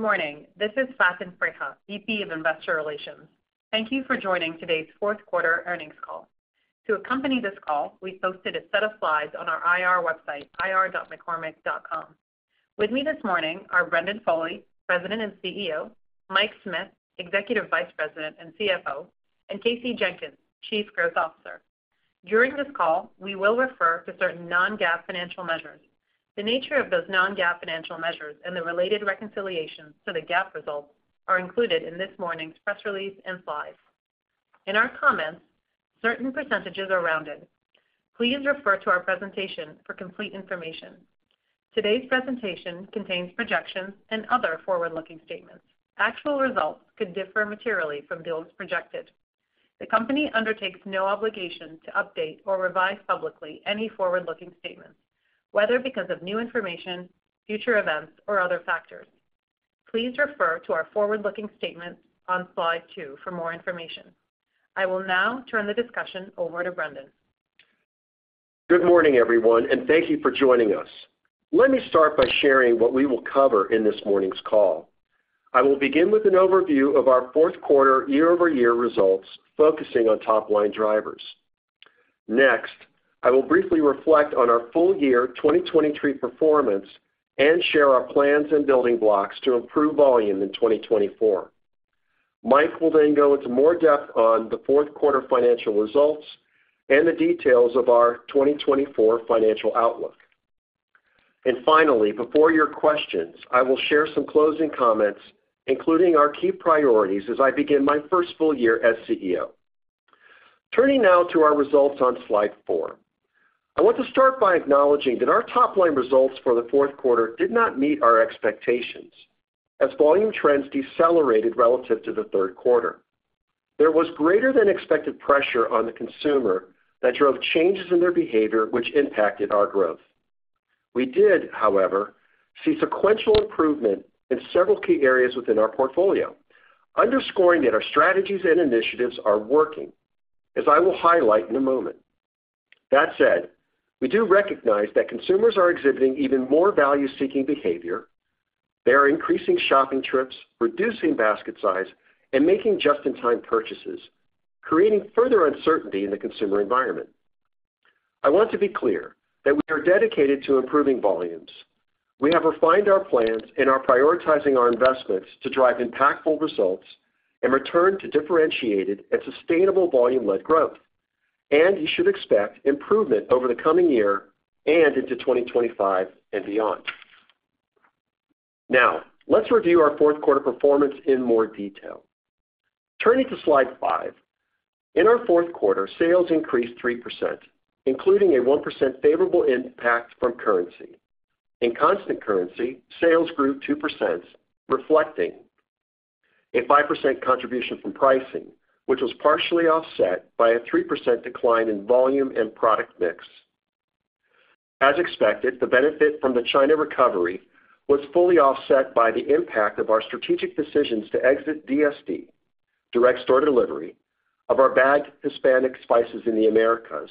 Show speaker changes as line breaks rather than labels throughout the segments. Good morning. This is Faten Freiha, VP of Investor Relations. Thank you for joining today's fourth quarter earnings call. To accompany this call, we posted a set of slides on our IR website, ir.mccormick.com. With me this morning are Brendan Foley, President and CEO, Mike Smith, Executive Vice President and CFO, and Kasey Jenkins, Chief Human Relations Officer. During this call, we will refer to certain non-GAAP financial measures. The nature of those non-GAAP financial measures and the related reconciliations to the GAAP results are included in this morning's press release and slides. In our comments, certain percentages are rounded. Please refer to our presentation for complete information. Today's presentation contains projections and other forward-looking statements. Actual results could differ materially from those projected. The company undertakes no obligation to update or revise publicly any forward-looking statements, whether because of new information, future events, or other factors. Please refer to our forward-looking statements on slide 2 for more information. I will now turn the discussion over to Brendan.
Good morning, everyone, and thank you for joining us. Let me start by sharing what we will cover in this morning's call. I will begin with an overview of our fourth quarter year-over-year results, focusing on top-line drivers. Next, I will briefly reflect on our full year 2023 performance and share our plans and building blocks to improve volume in 2024. Mike will then go into more depth on the fourth quarter financial results and the details of our 2024 financial outlook. Finally, before your questions, I will share some closing comments, including our key priorities as I begin my first full year as CEO. Turning now to our results on slide 4. I want to start by acknowledging that our top-line results for the fourth quarter did not meet our expectations, as volume trends decelerated relative to the third quarter. There was greater than expected pressure on the Consumer that drove changes in their behavior, which impacted our growth. We did, however, see sequential improvement in several key areas within our portfolio, underscoring that our strategies and initiatives are working, as I will highlight in a moment. That said, we do recognize that Consumers are exhibiting even more value-seeking behavior. They are increasing shopping trips, reducing basket size, and making just-in-time purchases, creating further uncertainty in the Consumer environment. I want to be clear that we are dedicated to improving volumes. We have refined our plans and are prioritizing our investments to drive impactful results and return to differentiated and sustainable volume-led growth, and you should expect improvement over the coming year and into 2025 and beyond. Now, let's review our fourth quarter performance in more detail. Turning to slide 5, in our fourth quarter, sales increased 3%, including a 1% favorable impact from currency. In constant currency, sales grew 2%, reflecting a 5% contribution from pricing, which was partially offset by a 3% decline in volume and product mix. As expected, the benefit from the China recovery was fully offset by the impact of our strategic decisions to exit DSD, direct store delivery, of our bagged Hispanic spices in the Americas,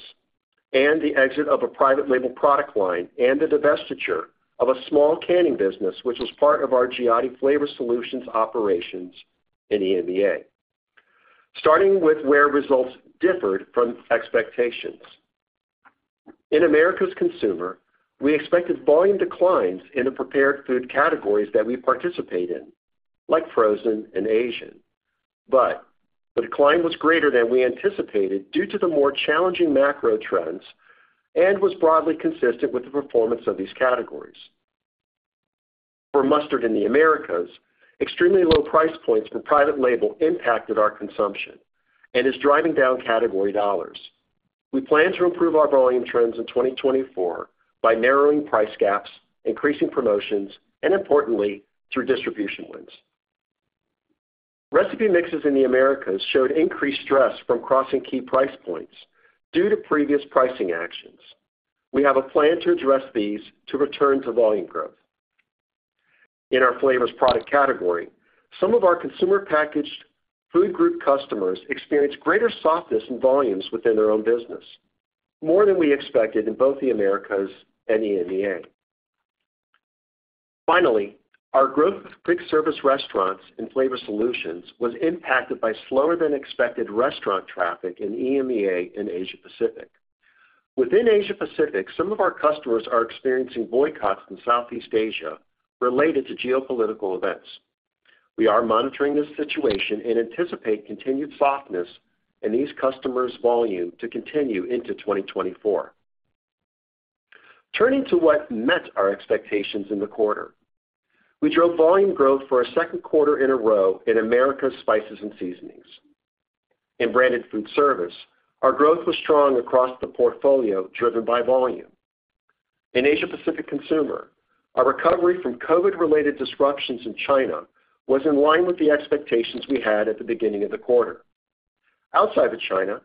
and the exit of a private label product line and the divestiture of a small canning business, which was part of our Giotti Flavor Solutions operations in EMEA. Starting with where results differed from expectations. In Americas Consumer, we expected volume declines in the prepared food categories that we participate in, like frozen and Asian. But the decline was greater than we anticipated due to the more challenging macro trends and was broadly consistent with the performance of these categories. For mustard in the Americas, extremely low price points for private label impacted our consumption and is driving down category dollars. We plan to improve our volume trends in 2024 by narrowing price gaps, increasing promotions, and importantly, through distribution wins. Recipe mixes in the Americas showed increased stress from crossing key price points due to previous pricing actions. We have a plan to address these to return to volume growth. In our flavors product category, some of our consumer packaged food group customers experienced greater softness in volumes within their own business, more than we expected in both the Americas and EMEA. Finally, our growth of quick service restaurants and Flavor Solutions was impacted by slower than expected restaurant traffic in EMEA and Asia Pacific. Within Asia Pacific, some of our customers are experiencing boycotts in Southeast Asia related to geopolitical events. We are monitoring this situation and anticipate continued softness in these customers' volume to continue into 2024. Turning to what met our expectations in the quarter. We drove volume growth for a second quarter in a row in Americas Spices and Seasonings. In Branded Food Service, our growth was strong across the portfolio, driven by volume. In Asia Pacific Consumer, our recovery from COVID-related disruptions in China was in line with the expectations we had at the beginning of the quarter. Outside of China,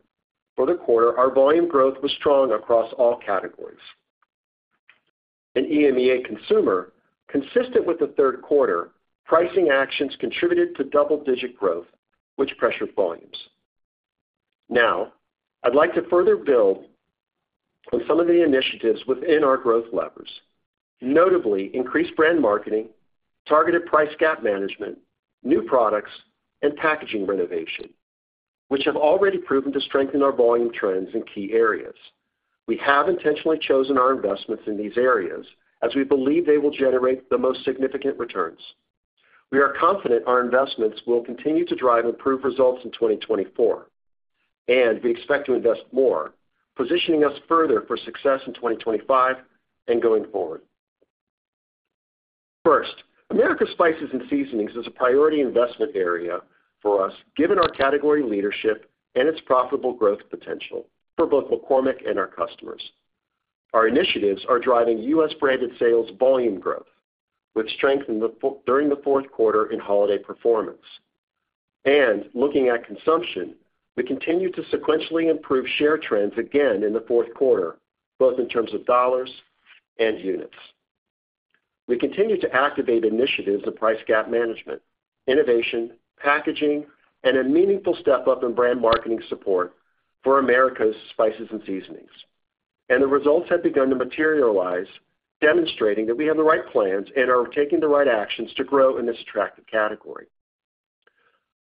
for the quarter, our volume growth was strong across all categories. In EMEA Consumer, consistent with the third quarter, pricing actions contributed to double-digit growth, which pressured volumes. Now, I'd like to further build on some of the initiatives within our growth levers, notably increased brand marketing, targeted price gap management, new products, and packaging renovation, which have already proven to strengthen our volume trends in key areas. We have intentionally chosen our investments in these areas as we believe they will generate the most significant returns. We are confident our investments will continue to drive improved results in 2024, and we expect to invest more, positioning us further for success in 2025 and going forward. First, Americas Spices and Seasonings is a priority investment area for us, given our category leadership and its profitable growth potential for both McCormick and our customers. Our initiatives are driving U.S. branded sales volume growth, which strengthened during the fourth quarter in holiday performance. Looking at consumption, we continued to sequentially improve share trends again in the fourth quarter, both in terms of dollars and units. We continue to activate initiatives of price gap management, innovation, packaging, and a meaningful step up in brand marketing support for Americas Spices and Seasonings. The results have begun to materialize, demonstrating that we have the right plans and are taking the right actions to grow in this attractive category.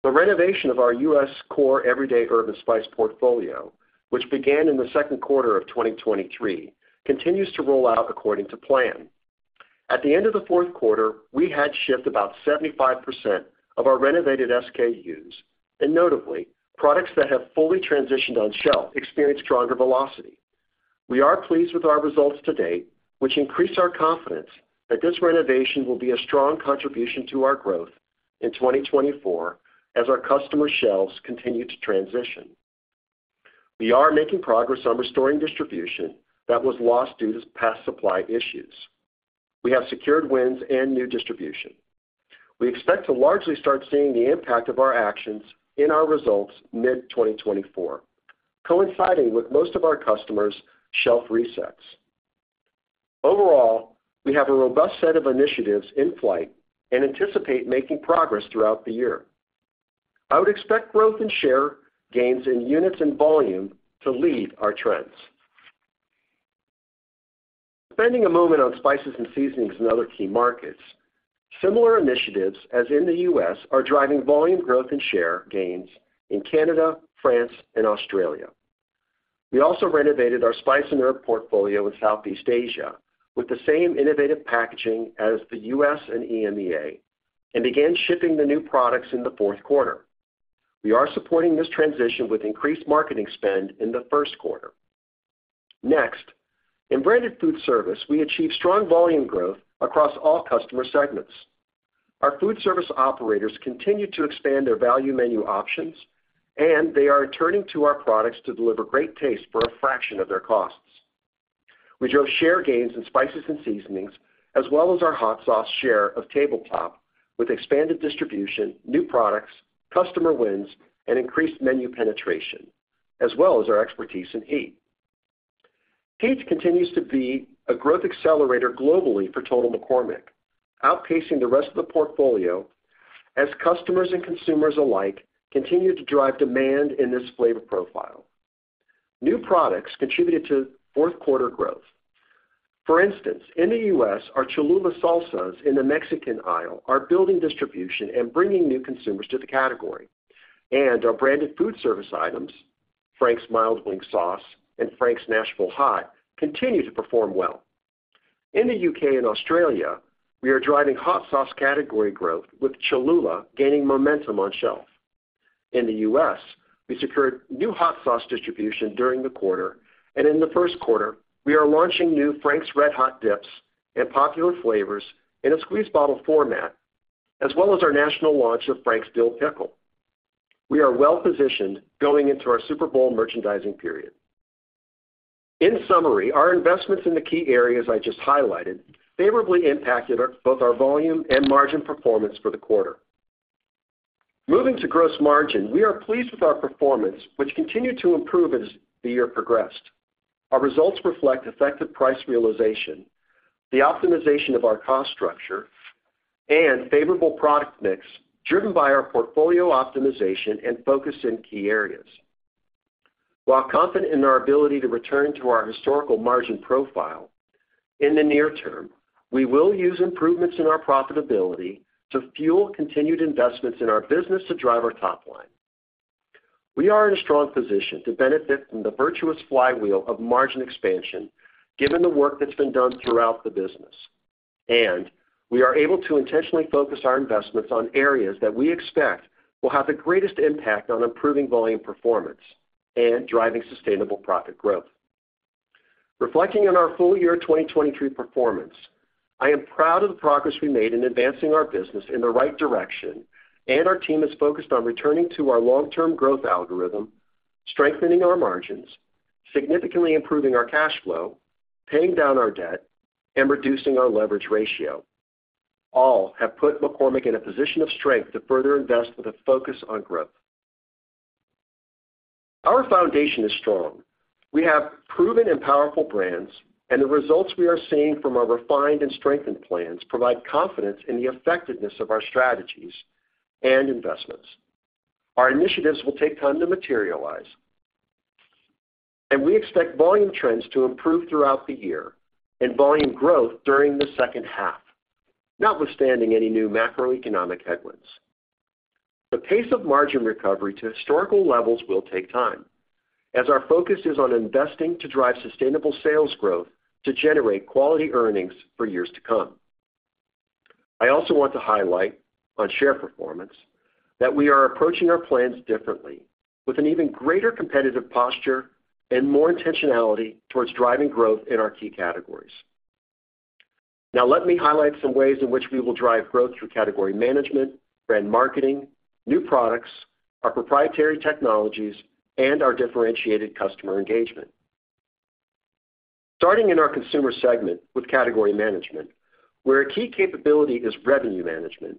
The renovation of our U.S. core everyday herb and spice portfolio, which began in the second quarter of 2023, continues to roll out according to plan. At the end of the fourth quarter, we had shipped about 75% of our renovated SKUs, and notably, products that have fully transitioned on shelf experienced stronger velocity. We are pleased with our results to date, which increase our confidence that this renovation will be a strong contribution to our growth in 2024 as our customer shelves continue to transition. We are making progress on restoring distribution that was lost due to past supply issues. We have secured wins and new distribution. We expect to largely start seeing the impact of our actions in our results mid-2024, coinciding with most of our customers' shelf resets. Overall, we have a robust set of initiatives in flight and anticipate making progress throughout the year. I would expect growth and share gains in units and volume to lead our trends. Spending a moment on spices and seasonings in other key markets, similar initiatives, as in the U.S., are driving volume growth and share gains in Canada, France, and Australia. We also renovated our spice and herb portfolio in Southeast Asia with the same innovative packaging as the U.S. and EMEA, and began shipping the new products in the fourth quarter. We are supporting this transition with increased marketing spend in the first quarter. Next, in branded food service, we achieved strong volume growth across all customer segments. Our food service operators continue to expand their value menu options, and they are returning to our products to deliver great taste for a fraction of their costs. We drove share gains in spices and seasonings, as well as our hot sauce share of tabletop, with expanded distribution, new products, customer wins, and increased menu penetration, as well as our expertise in heat. Heat continues to be a growth accelerator globally for total McCormick, outpacing the rest of the portfolio as customers and consumers alike continue to drive demand in this flavor profile. New products contributed to fourth quarter growth. For instance, in the US, our Cholula salsas in the Mexican aisle are building distribution and bringing new consumers to the category, and our branded food service items, Frank's Mild Wing Sauce and Frank's Nashville Hot, continue to perform well. In the UK and Australia, we are driving hot sauce category growth, with Cholula gaining momentum on shelf. In the US, we secured new hot sauce distribution during the quarter, and in the first quarter, we are launching new Frank's RedHot dips in popular flavors in a squeeze bottle format, as well as our national launch of Frank's Dill Pickle. We are well positioned going into our Super Bowl merchandising period. In summary, our investments in the key areas I just highlighted favorably impacted both our volume and margin performance for the quarter. Moving to gross margin, we are pleased with our performance, which continued to improve as the year progressed. Our results reflect effective price realization, the optimization of our cost structure, and favorable product mix, driven by our portfolio optimization and focus in key areas. While confident in our ability to return to our historical margin profile, in the near term, we will use improvements in our profitability to fuel continued investments in our business to drive our top line. We are in a strong position to benefit from the virtuous flywheel of margin expansion, given the work that's been done throughout the business, and we are able to intentionally focus our investments on areas that we expect will have the greatest impact on improving volume performance and driving sustainable profit growth. Reflecting on our full year 2023 performance, I am proud of the progress we made in advancing our business in the right direction, and our team is focused on returning to our long-term growth algorithm, strengthening our margins, significantly improving our cash flow, paying down our debt, and reducing our leverage ratio. All have put McCormick in a position of strength to further invest with a focus on growth. Our foundation is strong.... We have proven and powerful brands, and the results we are seeing from our refined and strengthened plans provide confidence in the effectiveness of our strategies and investments. Our initiatives will take time to materialize, and we expect volume trends to improve throughout the year and volume growth during the second half, notwithstanding any new macroeconomic headwinds. The pace of margin recovery to historical levels will take time, as our focus is on investing to drive sustainable sales growth to generate quality earnings for years to come. I also want to highlight on share performance, that we are approaching our plans differently, with an even greater competitive posture and more intentionality towards driving growth in our key categories. Now, let me highlight some ways in which we will drive growth through category management, brand marketing, new products, our proprietary technologies, and our differentiated customer engagement. Starting in our Consumer segment with category management, where a key capability is revenue management.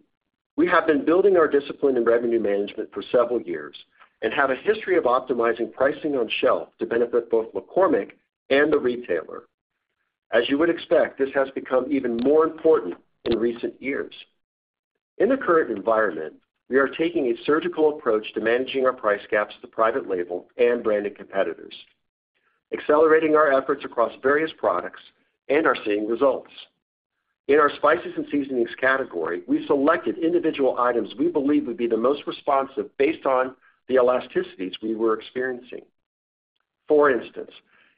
We have been building our discipline in revenue management for several years and have a history of optimizing pricing on shelf to benefit both McCormick and the retailer. As you would expect, this has become even more important in recent years. In the current environment, we are taking a surgical approach to managing our price gaps to private label and branded competitors, accelerating our efforts across various products and are seeing results. In our spices and seasonings category, we selected individual items we believe would be the most responsive based on the elasticities we were experiencing. For instance,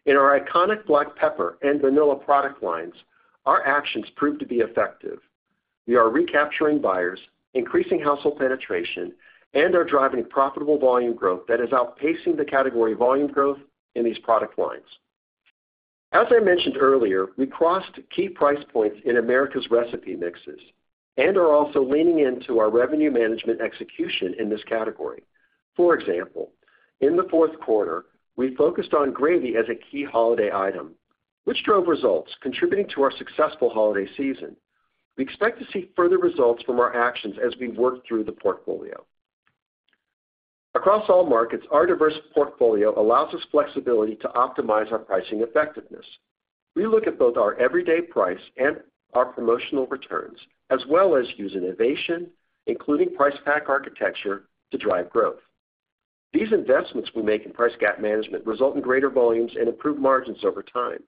in our iconic black pepper and vanilla product lines, our actions proved to be effective. We are recapturing buyers, increasing household penetration, and are driving profitable volume growth that is outpacing the category volume growth in these product lines. As I mentioned earlier, we crossed key price points in Americas recipe mixes and are also leaning into our revenue management execution in this category. For example, in the fourth quarter, we focused on gravy as a key holiday item, which drove results contributing to our successful holiday season. We expect to see further results from our actions as we work through the portfolio. Across all markets, our diverse portfolio allows us flexibility to optimize our pricing effectiveness. We look at both our everyday price and our promotional returns, as well as use innovation, including price pack architecture, to drive growth. These investments we make in price gap management result in greater volumes and improved margins over time.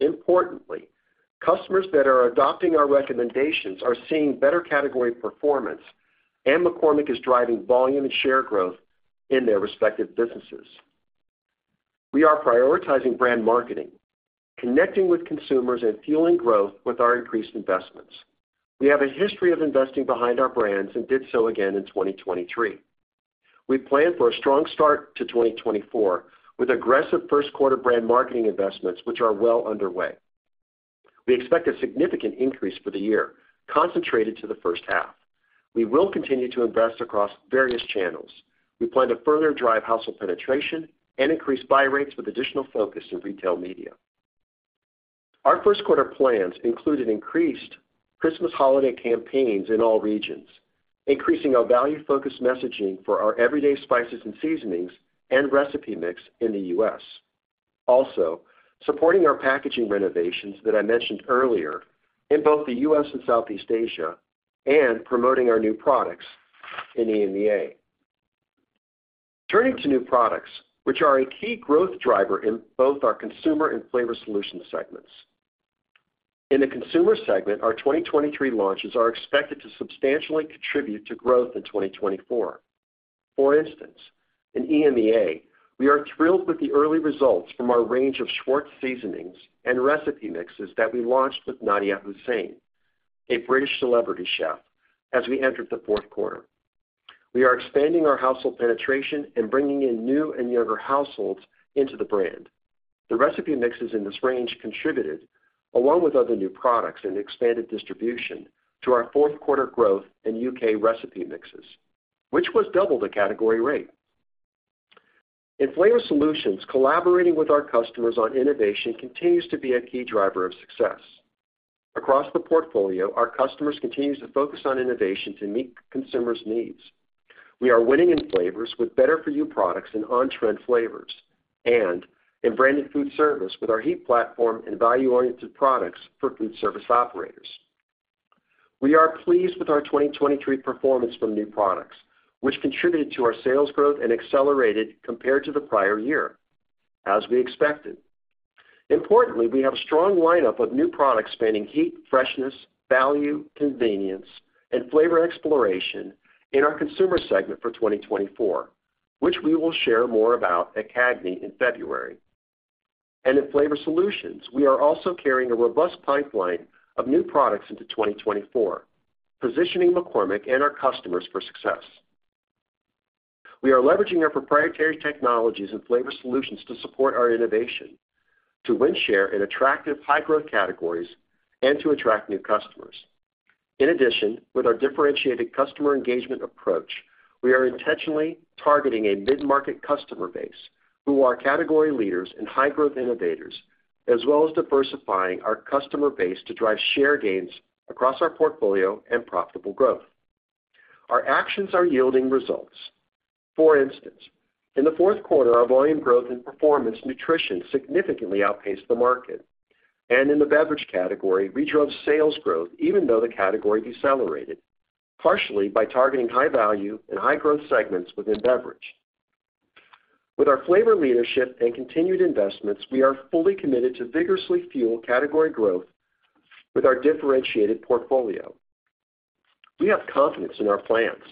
Importantly, customers that are adopting our recommendations are seeing better category performance, and McCormick is driving volume and share growth in their respective businesses. We are prioritizing brand marketing, connecting with consumers, and fueling growth with our increased investments. We have a history of investing behind our brands and did so again in 2023. We plan for a strong start to 2024, with aggressive first quarter brand marketing investments, which are well underway. We expect a significant increase for the year, concentrated to the first half. We will continue to invest across various channels. We plan to further drive household penetration and increase buy rates with additional focus in retail media. Our first quarter plans include an increased Christmas holiday campaigns in all regions, increasing our value focused messaging for our everyday spices and seasonings and recipe mix in the U.S. Also, supporting our packaging renovations that I mentioned earlier in both the U.S. and Southeast Asia, and promoting our new products in EMEA. Turning to new products, which are a key growth driver in both our consumer and Flavor Solutions segments. In the Consumer segment, our 2023 launches are expected to substantially contribute to growth in 2024. For instance, in EMEA, we are thrilled with the early results from our range of Schwartz seasonings and recipe mixes that we launched with Nadiya Hussain, a British celebrity chef, as we entered the fourth quarter. We are expanding our household penetration and bringing in new and younger households into the brand. The recipe mixes in this range contributed, along with other new products and expanded distribution, to our fourth quarter growth in U.K. recipe mixes, which was double the category rate. In Flavor solutions, collaborating with our customers on innovation continues to be a key driver of success. Across the portfolio, our customers continues to focus on innovation to meet consumers' needs. We are winning in Flavors with better-for-you products and on-trend Flavors, and in branded food service with our heat platform and value-oriented products for food service operators. We are pleased with our 2023 performance from new products, which contributed to our sales growth and accelerated compared to the prior year, as we expected. Importantly, we have a strong lineup of new products spanning heat, freshness, value, convenience, and flavor exploration in our Consumer segment for 2024, which we will share more about at CAGNY in February. In Flavor solutions, we are also carrying a robust pipeline of new products into 2024, positioning McCormick and our customers for success. We are leveraging our proprietary technologies and flavor solutions to support our innovation, to win share in attractive, high-growth categories, and to attract new customers. In addition, with our differentiated customer engagement approach, we are intentionally targeting a mid-market customer base who are category leaders and high-growth innovators, as well as diversifying our customer base to drive share gains across our portfolio and profitable growth. Our actions are yielding results. For instance, in the fourth quarter, our volume growth in performance nutrition significantly outpaced the market. And in the beverage category, we drove sales growth even though the category decelerated, partially by targeting high value and high growth segments within beverage. With our flavor leadership and continued investments, we are fully committed to vigorously fuel category growth with our differentiated portfolio. We have confidence in our plans,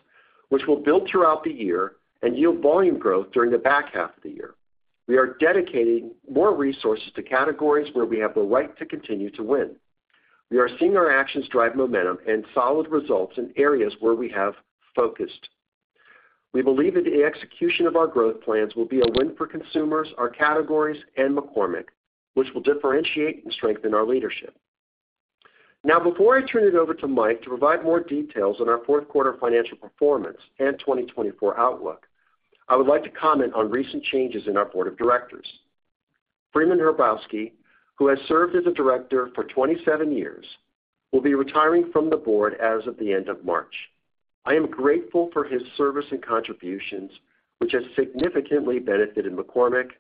which will build throughout the year and yield volume growth during the back half of the year. We are dedicating more resources to categories where we have the right to continue to win. We are seeing our actions drive momentum and solid results in areas where we have focused. We believe that the execution of our growth plans will be a win for consumers, our categories, and McCormick, which will differentiate and strengthen our leadership. Now, before I turn it over to Mike to provide more details on our fourth quarter financial performance and 2024 outlook, I would like to comment on recent changes in our board of directors. Freeman Hrabowski, who has served as a director for 27 years, will be retiring from the board as of the end of March. I am grateful for his service and contributions, which has significantly benefited McCormick,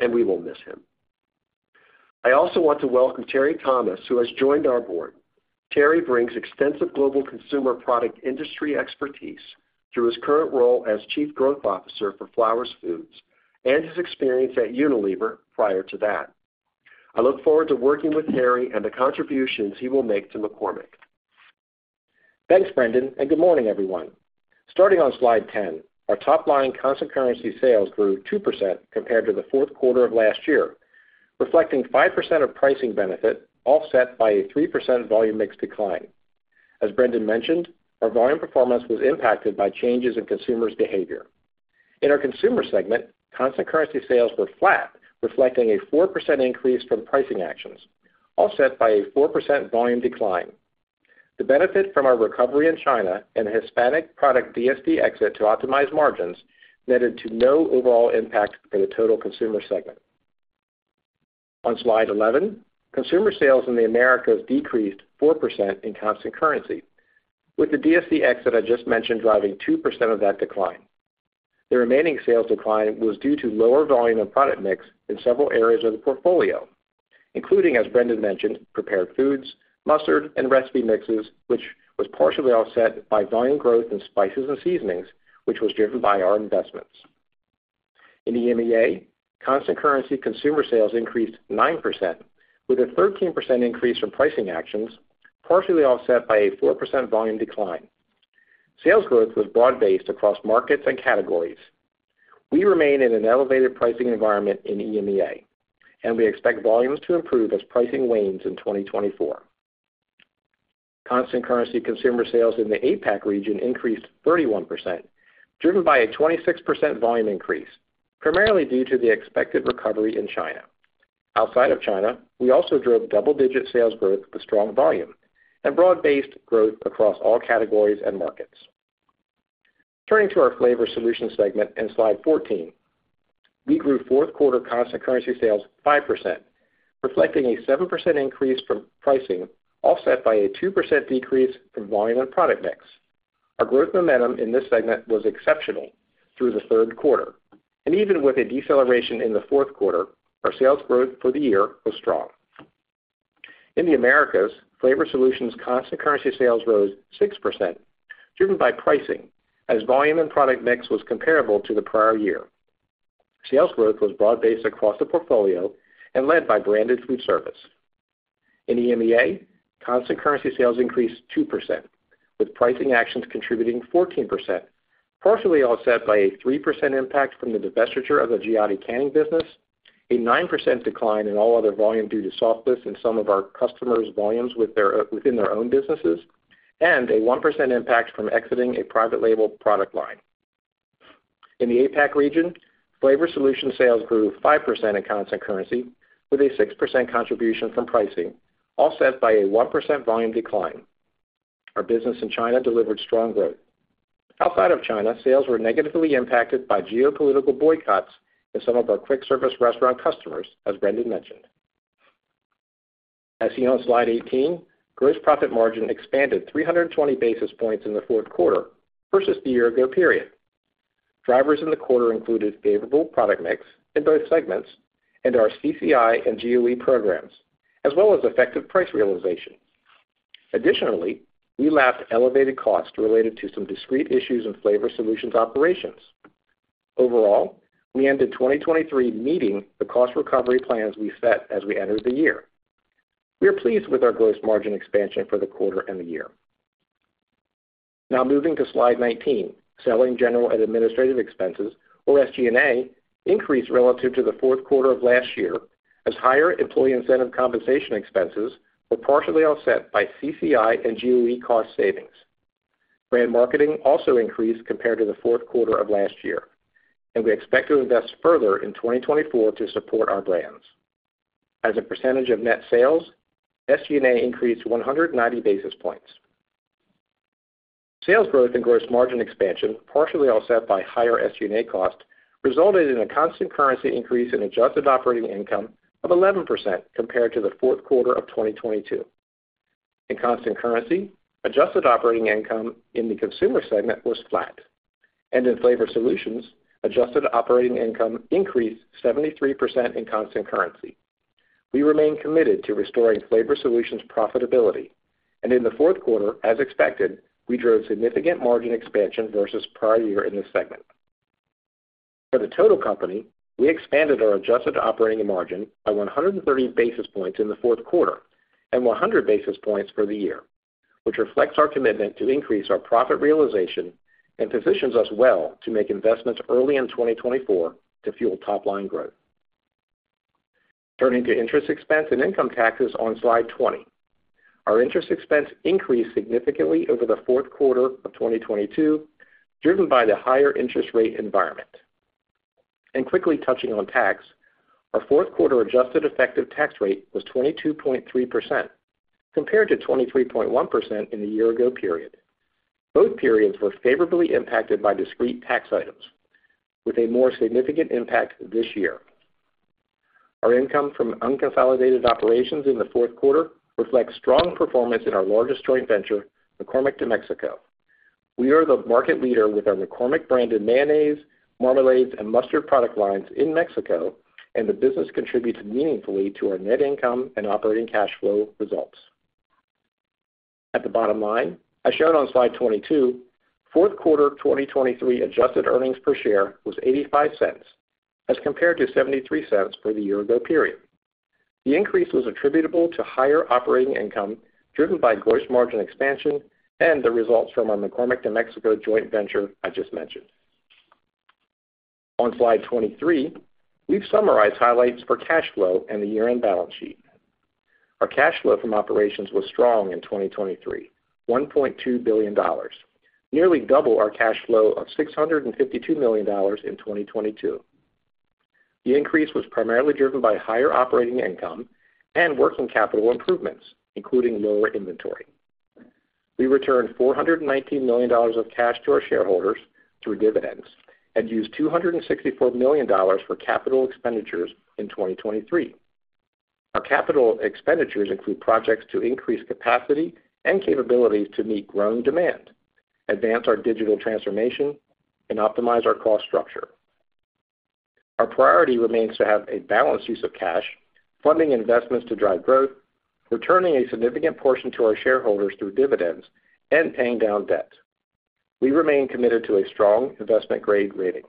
and we will miss him. I also want to welcome Terry Thomas, who has joined our board. Terry brings extensive global consumer product industry expertise through his current role as Chief Growth Officer for Flowers Foods and his experience at Unilever prior to that. I look forward to working with Terry and the contributions he will make to McCormick.
Thanks, Brendan, and good morning, everyone. Starting on slide 10, our top line constant currency sales grew 2% compared to the fourth quarter of last year, reflecting 5% of pricing benefit, offset by a 3% volume mix decline. As Brendan mentioned, our volume performance was impacted by changes in consumers' behavior. In our Consumer segment, constant currency sales were flat, reflecting a 4% increase from pricing actions, offset by a 4% volume decline. The benefit from our recovery in China and Hispanic product DSD exit to optimize margins netted to no overall impact for the total Consumer segment. On slide 11, consumer sales in the Americas decreased 4% in constant currency, with the DSD exit I just mentioned driving 2% of that decline. The remaining sales decline was due to lower volume and product mix in several areas of the portfolio, including, as Brendan mentioned, prepared foods, mustard, and recipe mixes, which was partially offset by volume growth in spices and seasonings, which was driven by our investments. In EMEA, constant currency consumer sales increased 9%, with a 13% increase from pricing actions, partially offset by a 4% volume decline. Sales growth was broad-based across markets and categories. We remain in an elevated pricing environment in EMEA, and we expect volumes to improve as pricing wanes in 2024. Constant currency consumer sales in the APAC region increased 31%, driven by a 26% volume increase, primarily due to the expected recovery in China. Outside of China, we also drove double-digit sales growth with strong volume and broad-based growth across all categories and markets. Turning to our Flavor Solutions segment in slide 14, we grew fourth quarter constant currency sales 5%, reflecting a 7% increase from pricing, offset by a 2% decrease from volume and product mix. Our growth momentum in this segment was exceptional through the third quarter, and even with a deceleration in the fourth quarter, our sales growth for the year was strong. In the Americas, Flavor Solutions' constant currency sales rose 6%, driven by pricing, as volume and product mix was comparable to the prior year. Sales growth was broad-based across the portfolio and led by branded food service. In EMEA, constant currency sales increased 2%, with pricing actions contributing 14%, partially offset by a 3% impact from the divestiture of the Giotti canning business, a 9% decline in all other volume due to softness in some of our customers' volumes within their own businesses, and a 1% impact from exiting a private label product line. In the APAC region, Flavor Solutions sales grew 5% in constant currency with a 6% contribution from pricing, offset by a 1% volume decline. Our business in China delivered strong growth. Outside of China, sales were negatively impacted by geopolitical boycotts in some of our quick service restaurant customers, as Brendan mentioned. As seen on slide 18, gross profit margin expanded 320 basis points in the fourth quarter versus the year ago period. Drivers in the quarter included favorable product mix in both segments and our CCI and GOE programs, as well as effective price realization. Additionally, we lapped elevated costs related to some discrete issues in Flavor Solutions operations. Overall, we ended 2023 meeting the cost recovery plans we set as we entered the year. We are pleased with our gross margin expansion for the quarter and the year. Now moving to slide 19, selling general and administrative expenses, or SG&A, increased relative to the fourth quarter of last year, as higher employee incentive compensation expenses were partially offset by CCI and GOE cost savings. Brand marketing also increased compared to the fourth quarter of last year, and we expect to invest further in 2024 to support our brands. As a percentage of net sales, SG&A increased 190 basis points. Sales growth and gross margin expansion, partially offset by higher SG&A cost, resulted in a constant currency increase in adjusted operating income of 11% compared to the fourth quarter of 2022. In constant currency, adjusted operating income in the Consumer segment was flat, and in Flavor Solutions, adjusted operating income increased 73% in constant currency. We remain committed to restoring Flavor Solutions profitability, and in the fourth quarter, as expected, we drove significant margin expansion versus prior year in this segment. For the total company, we expanded our adjusted operating margin by 130 basis points in the fourth quarter and 100 basis points for the year, which reflects our commitment to increase our profit realization and positions us well to make investments early in 2024 to fuel top line growth. Turning to interest expense and income taxes on Slide 20. Our interest expense increased significantly over the fourth quarter of 2022, driven by the higher interest rate environment. Quickly touching on tax, our fourth quarter adjusted effective tax rate was 22.3%, compared to 23.1% in the year ago period. Both periods were favorably impacted by discrete tax items, with a more significant impact this year. Our income from unconsolidated operations in the fourth quarter reflects strong performance in our largest joint venture, McCormick de Mexico. We are the market leader with our McCormick branded mayonnaise, marmalades, and mustard product lines in Mexico, and the business contributes meaningfully to our net income and operating cash flow results. At the bottom line, as shown on slide 22, fourth quarter adjusted earnings per share was $0.85, as compared to $0.73 for the year ago period. The increase was attributable to higher operating income, driven by gross margin expansion and the results from our McCormick de Mexico joint venture I just mentioned. On slide 23, we've summarized highlights for cash flow and the year-end balance sheet. Our cash flow from operations was strong in 2023, $1.2 billion, nearly double our cash flow of $652 million in 2022. The increase was primarily driven by higher operating income and working capital improvements, including lower inventory. We returned $419 million of cash to our shareholders through dividends and used $264 million for capital expenditures in 2023. Our capital expenditures include projects to increase capacity and capabilities to meet growing demand, advance our digital transformation, and optimize our cost structure. Our priority remains to have a balanced use of cash, funding investments to drive growth, returning a significant portion to our shareholders through dividends and paying down debt. We remain committed to a strong investment-grade rating.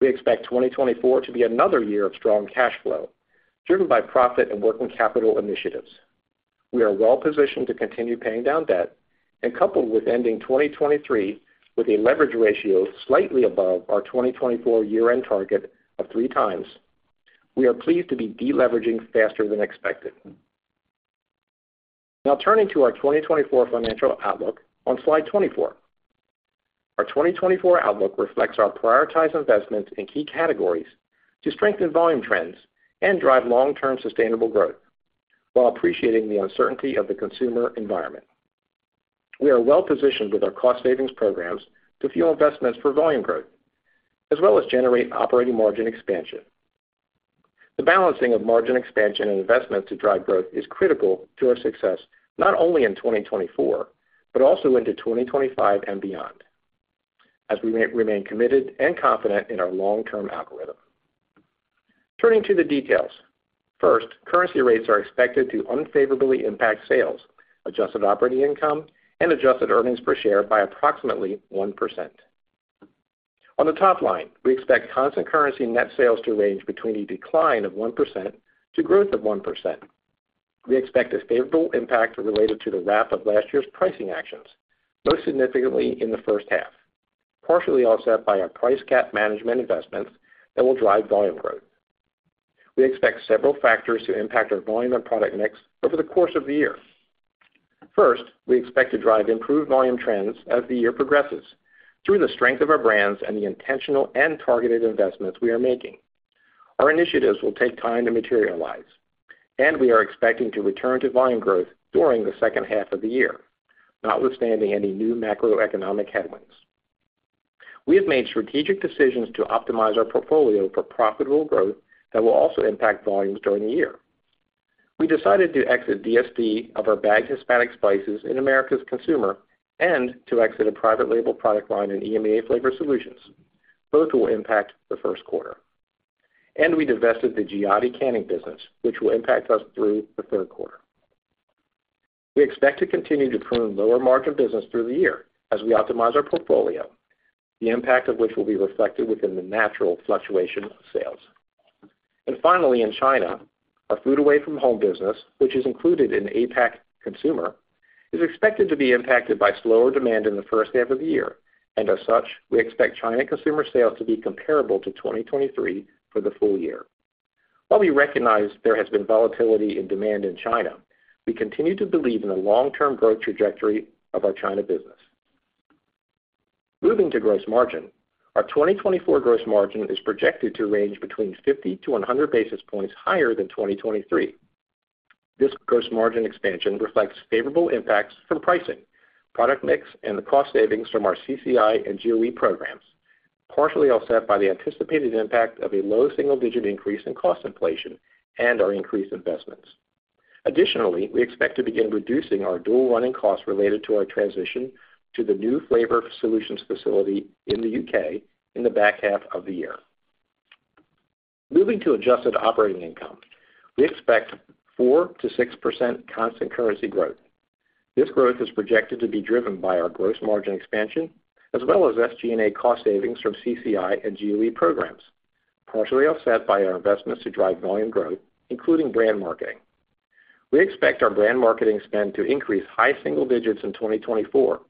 We expect 2024 to be another year of strong cash flow, driven by profit and working capital initiatives. We are well positioned to continue paying down debt and coupled with ending 2023 with a leverage ratio slightly above our 2024 year-end target of 3x, we are pleased to be deleveraging faster than expected. Now, turning to our 2024 financial outlook on slide 24. Our 2024 outlook reflects our prioritized investments in key categories to strengthen volume trends and drive long-term sustainable growth, while appreciating the uncertainty of the consumer environment. We are well positioned with our cost savings programs to fuel investments for volume growth, as well as generate operating margin expansion. The balancing of margin expansion and investment to drive growth is critical to our success, not only in 2024, but also into 2025 and beyond, as we remain committed and confident in our long-term algorithm. Turning to the details. First, currency rates are expected to unfavorably impact sales, adjusted operating income and adjusted earnings per share by approximately 1%. On the top line, we expect constant currency net sales to range between a decline of 1% to growth of 1%. We expect a favorable impact related to the wrap of last year's pricing actions, most significantly in the first half, partially offset by our price gap management investments that will drive volume growth. We expect several factors to impact our volume and product mix over the course of the year. First, we expect to drive improved volume trends as the year progresses through the strength of our brands and the intentional and targeted investments we are making. Our initiatives will take time to materialize, and we are expecting to return to volume growth during the second half of the year, notwithstanding any new macroeconomic headwinds. We have made strategic decisions to optimize our portfolio for profitable growth that will also impact volumes during the year. We decided to exit DSD of our bagged Hispanic spices in Americas Consumer and to exit a private label product line in EMEA Flavor Solutions. Both will impact the first quarter. We divested the Giotti canning business, which will impact us through the third quarter. We expect to continue to prune lower margin business through the year as we optimize our portfolio, the impact of which will be reflected within the natural fluctuation of sales. And finally, in China, our food away from home business, which is included in the APAC consumer, is expected to be impacted by slower demand in the first half of the year, and as such, we expect China consumer sales to be comparable to 2023 for the full year. While we recognize there has been volatility in demand in China, we continue to believe in the long-term growth trajectory of our China business. Moving to gross margin. Our 2024 gross margin is projected to range between 50-100 basis points higher than 2023. This gross margin expansion reflects favorable impacts from pricing, product mix, and the cost savings from our CCI and GOE programs.... partially offset by the anticipated impact of a low single-digit increase in cost inflation and our increased investments. Additionally, we expect to begin reducing our dual running costs related to our transition to the new Flavor Solutions facility in the UK in the back half of the year. Moving to adjusted operating income, we expect 4%-6% constant currency growth. This growth is projected to be driven by our gross margin expansion, as well as SG&A cost savings from CCI and GOE programs, partially offset by our investments to drive volume growth, including brand marketing. We expect our brand marketing spend to increase high single digits in 2024,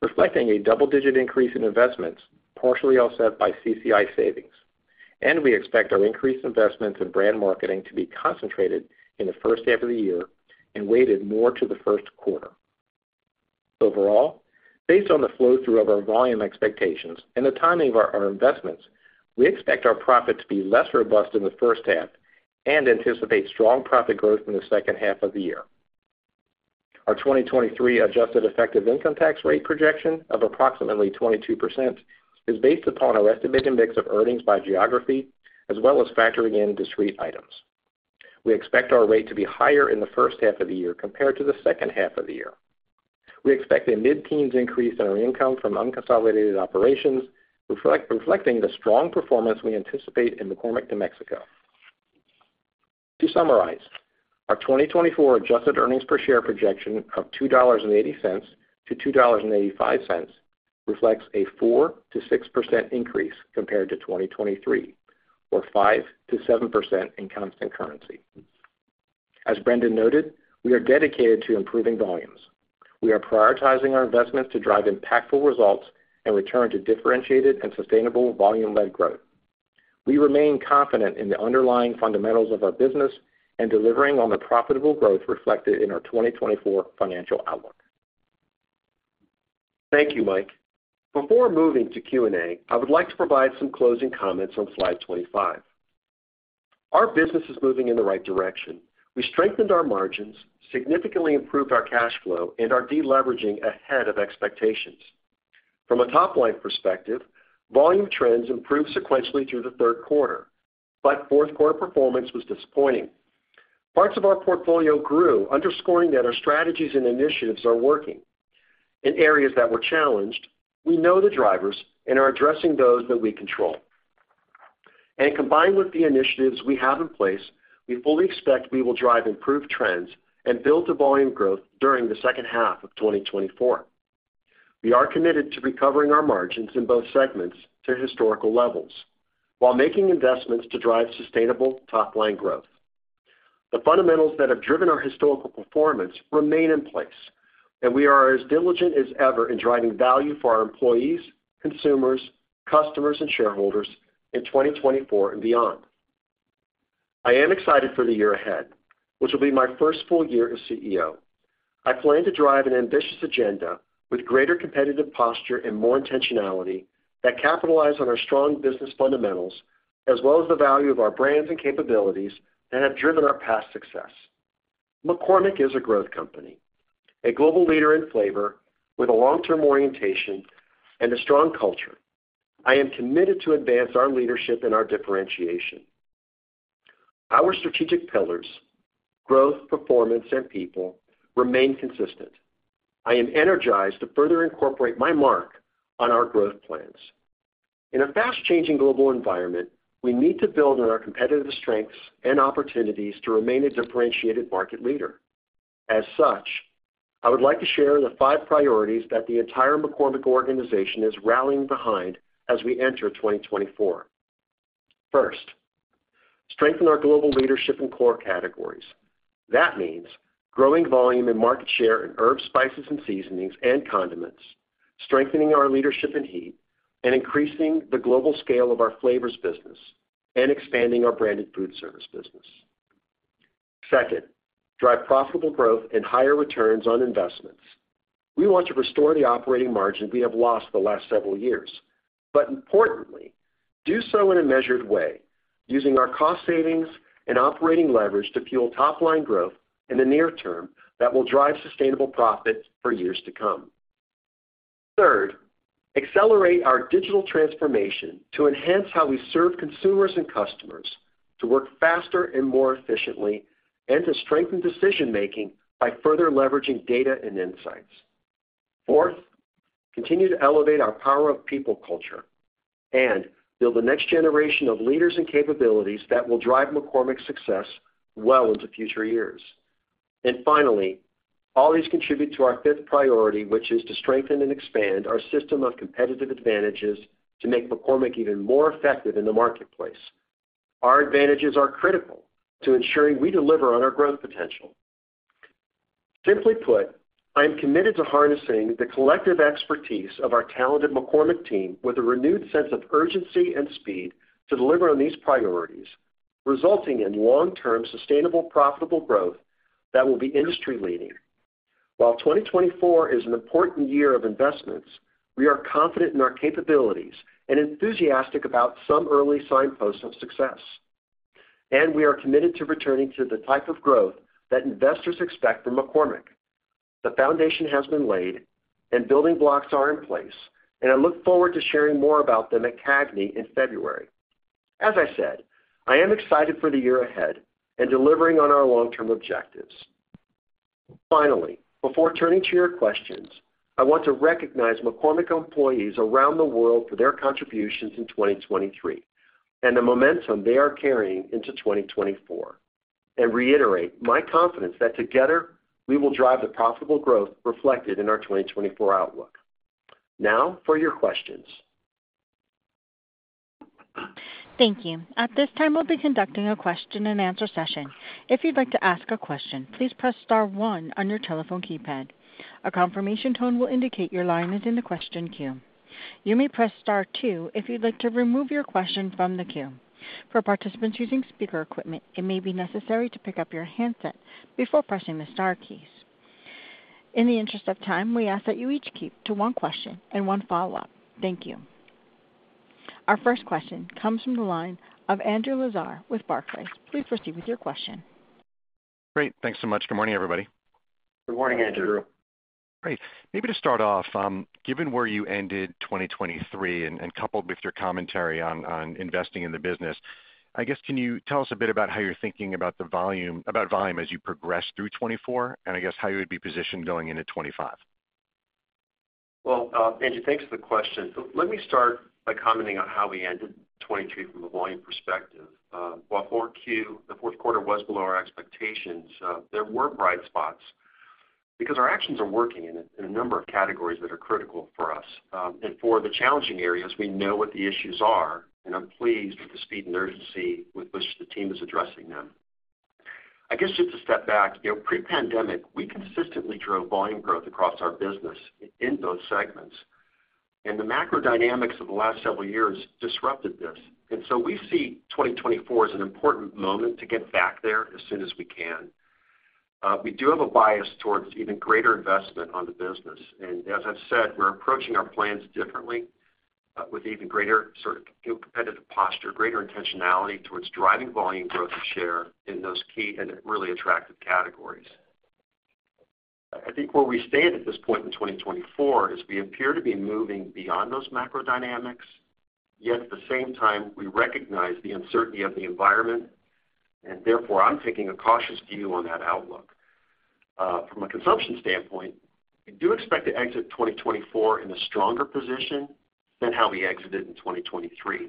reflecting a double-digit increase in investments, partially offset by CCI savings. We expect our increased investments in brand marketing to be concentrated in the first half of the year and weighted more to the first quarter. Overall, based on the flow-through of our volume expectations and the timing of our investments, we expect our profit to be less robust in the first half and anticipate strong profit growth in the second half of the year. Our 2023 adjusted effective income tax rate projection of approximately 22% is based upon our estimated mix of earnings by geography, as well as factoring in discrete items. We expect our rate to be higher in the first half of the year compared to the second half of the year. We expect a mid-teens increase in our income from unconsolidated operations, reflecting the strong performance we anticipate in McCormick de Mexico. To summarize, our 2024 adjusted earnings per share projection of $2.80-$2.85 reflects a 4%-6% increase compared to 2023, or 5%-7% in constant currency. As Brendan noted, we are dedicated to improving volumes. We are prioritizing our investments to drive impactful results and return to differentiated and sustainable volume-led growth. We remain confident in the underlying fundamentals of our business and delivering on the profitable growth reflected in our 2024 financial outlook.
Thank you, Mike. Before moving to Q&A, I would like to provide some closing comments on slide 25. Our business is moving in the right direction. We strengthened our margins, significantly improved our cash flow, and are deleveraging ahead of expectations. From a top-line perspective, volume trends improved sequentially through the third quarter, but fourth quarter performance was disappointing. Parts of our portfolio grew, underscoring that our strategies and initiatives are working. In areas that were challenged, we know the drivers and are addressing those that we control. And combined with the initiatives we have in place, we fully expect we will drive improved trends and build to volume growth during the second half of 2024. We are committed to recovering our margins in both segments to historical levels while making investments to drive sustainable top-line growth. The fundamentals that have driven our historical performance remain in place, and we are as diligent as ever in driving value for our employees, consumers, customers, and shareholders in 2024 and beyond. I am excited for the year ahead, which will be my first full year as CEO. I plan to drive an ambitious agenda with greater competitive posture and more intentionality that capitalize on our strong business fundamentals, as well as the value of our brands and capabilities that have driven our past success. McCormick is a growth company, a global leader in flavor with a long-term orientation and a strong culture. I am committed to advance our leadership and our differentiation. Our strategic pillars, growth, performance, and people, remain consistent. I am energized to further incorporate my mark on our growth plans. In a fast-changing global environment, we need to build on our competitive strengths and opportunities to remain a differentiated market leader. As such, I would like to share the five priorities that the entire McCormick organization is rallying behind as we enter 2024. First, strengthen our global leadership in core categories. That means growing volume and market share in herbs, spices, and seasonings and condiments, strengthening our leadership in heat, and increasing the global scale of our flavors business and expanding our branded food service business. Second, drive profitable growth and higher returns on investments. We want to restore the operating margin we have lost the last several years, but importantly, do so in a measured way, using our cost savings and operating leverage to fuel top-line growth in the near term that will drive sustainable profit for years to come. Third, accelerate our digital transformation to enhance how we serve consumers and customers, to work faster and more efficiently, and to strengthen decision-making by further leveraging data and insights. Fourth, continue to elevate our Power of People culture, and build the next generation of leaders and capabilities that will drive McCormick's success well into future years. And finally, all these contribute to our fifth priority, which is to strengthen and expand our system of competitive advantages to make McCormick even more effective in the marketplace. Our advantages are critical to ensuring we deliver on our growth potential. Simply put, I am committed to harnessing the collective expertise of our talented McCormick team with a renewed sense of urgency and speed to deliver on these priorities, resulting in long-term, sustainable, profitable growth that will be industry-leading. While 2024 is an important year of investments, we are confident in our capabilities and enthusiastic about some early signposts of success... and we are committed to returning to the type of growth that investors expect from McCormick. The foundation has been laid, and building blocks are in place, and I look forward to sharing more about them at CAGNY in February. As I said, I am excited for the year ahead and delivering on our long-term objectives. Finally, before turning to your questions, I want to recognize McCormick employees around the world for their contributions in 2023, and the momentum they are carrying into 2024, and reiterate my confidence that together, we will drive the profitable growth reflected in our 2024 outlook. Now for your questions.
Thank you. At this time, we'll be conducting a question-and-answer session. If you'd like to ask a question, please press star one on your telephone keypad. A confirmation tone will indicate your line is in the question queue. You may press star two if you'd like to remove your question from the queue. For participants using speaker equipment, it may be necessary to pick up your handset before pressing the star keys. In the interest of time, we ask that you each keep to one question and one follow-up. Thank you. Our first question comes from the line of Andrew Lazar with Barclays. Please proceed with your question.
Great. Thanks so much. Good morning, everybody.
Good morning, Andrew.
Great. Maybe to start off, given where you ended 2023 and coupled with your commentary on investing in the business, I guess, can you tell us a bit about how you're thinking about volume as you progress through 2024, and I guess how you would be positioned going into 2025?
Well, Andrew, thanks for the question. So let me start by commenting on how we ended 2023 from a volume perspective. While Q4, the fourth quarter was below our expectations, there were bright spots because our actions are working in a number of categories that are critical for us. And for the challenging areas, we know what the issues are, and I'm pleased with the speed and urgency with which the team is addressing them. I guess just to step back, pre-pandemic, we consistently drove volume growth across our business in those segments, and the macro dynamics of the last several years disrupted this. And so we see 2024 as an important moment to get back there as soon as we can. We do have a bias towards even greater investment on the business, and as I've said, we're approaching our plans differently, with even greater sort of competitive posture, greater intentionality towards driving volume growth and share in those key and really attractive categories. I think where we stand at this point in 2024 is we appear to be moving beyond those macro dynamics, yet at the same time, we recognize the uncertainty of the environment, and therefore, I'm taking a cautious view on that outlook. From a consumption standpoint, we do expect to exit 2024 in a stronger position than how we exited in 2023.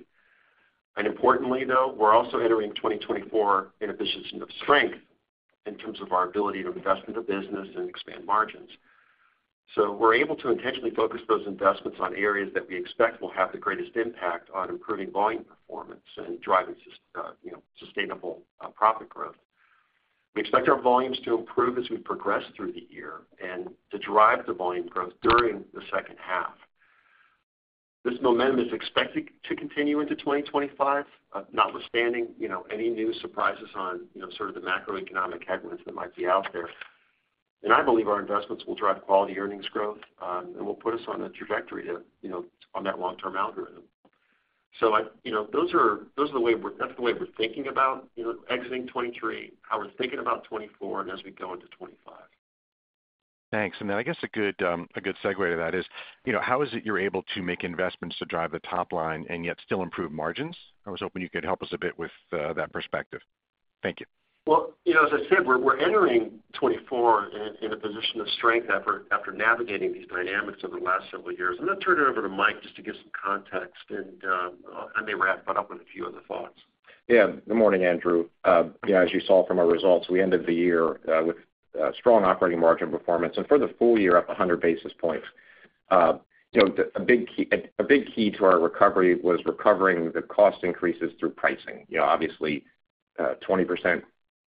Importantly, though, we're also entering 2024 in a position of strength in terms of our ability to invest in the business and expand margins. So we're able to intentionally focus those investments on areas that we expect will have the greatest impact on improving volume performance and driving, you know, sustainable profit growth. We expect our volumes to improve as we progress through the year and to drive the volume growth during the second half. This momentum is expected to continue into 2025, notwithstanding, you know, any new surprises on, you know, sort of the macroeconomic headwinds that might be out there. I believe our investments will drive quality earnings growth and will put us on a trajectory to, you know, on that long-term algorithm. You know, that's the way we're thinking about, you know, exiting 2023, how we're thinking about 2024, and as we go into 2025.
Thanks. And then I guess a good, a good segue to that is, you know, how is it you're able to make investments to drive the top line and yet still improve margins? I was hoping you could help us a bit with that perspective. Thank you.
Well, you know, as I said, we're entering 2024 in a position of strength after navigating these dynamics over the last several years. I'm going to turn it over to Mike just to give some context, and I may wrap it up with a few other thoughts.
Yeah. Good morning, Andrew. You know, as you saw from our results, we ended the year with strong operating margin performance, and for the full year, up 100 basis points. You know, a big key, a big key to our recovery was recovering the cost increases through pricing. You know, obviously, 20%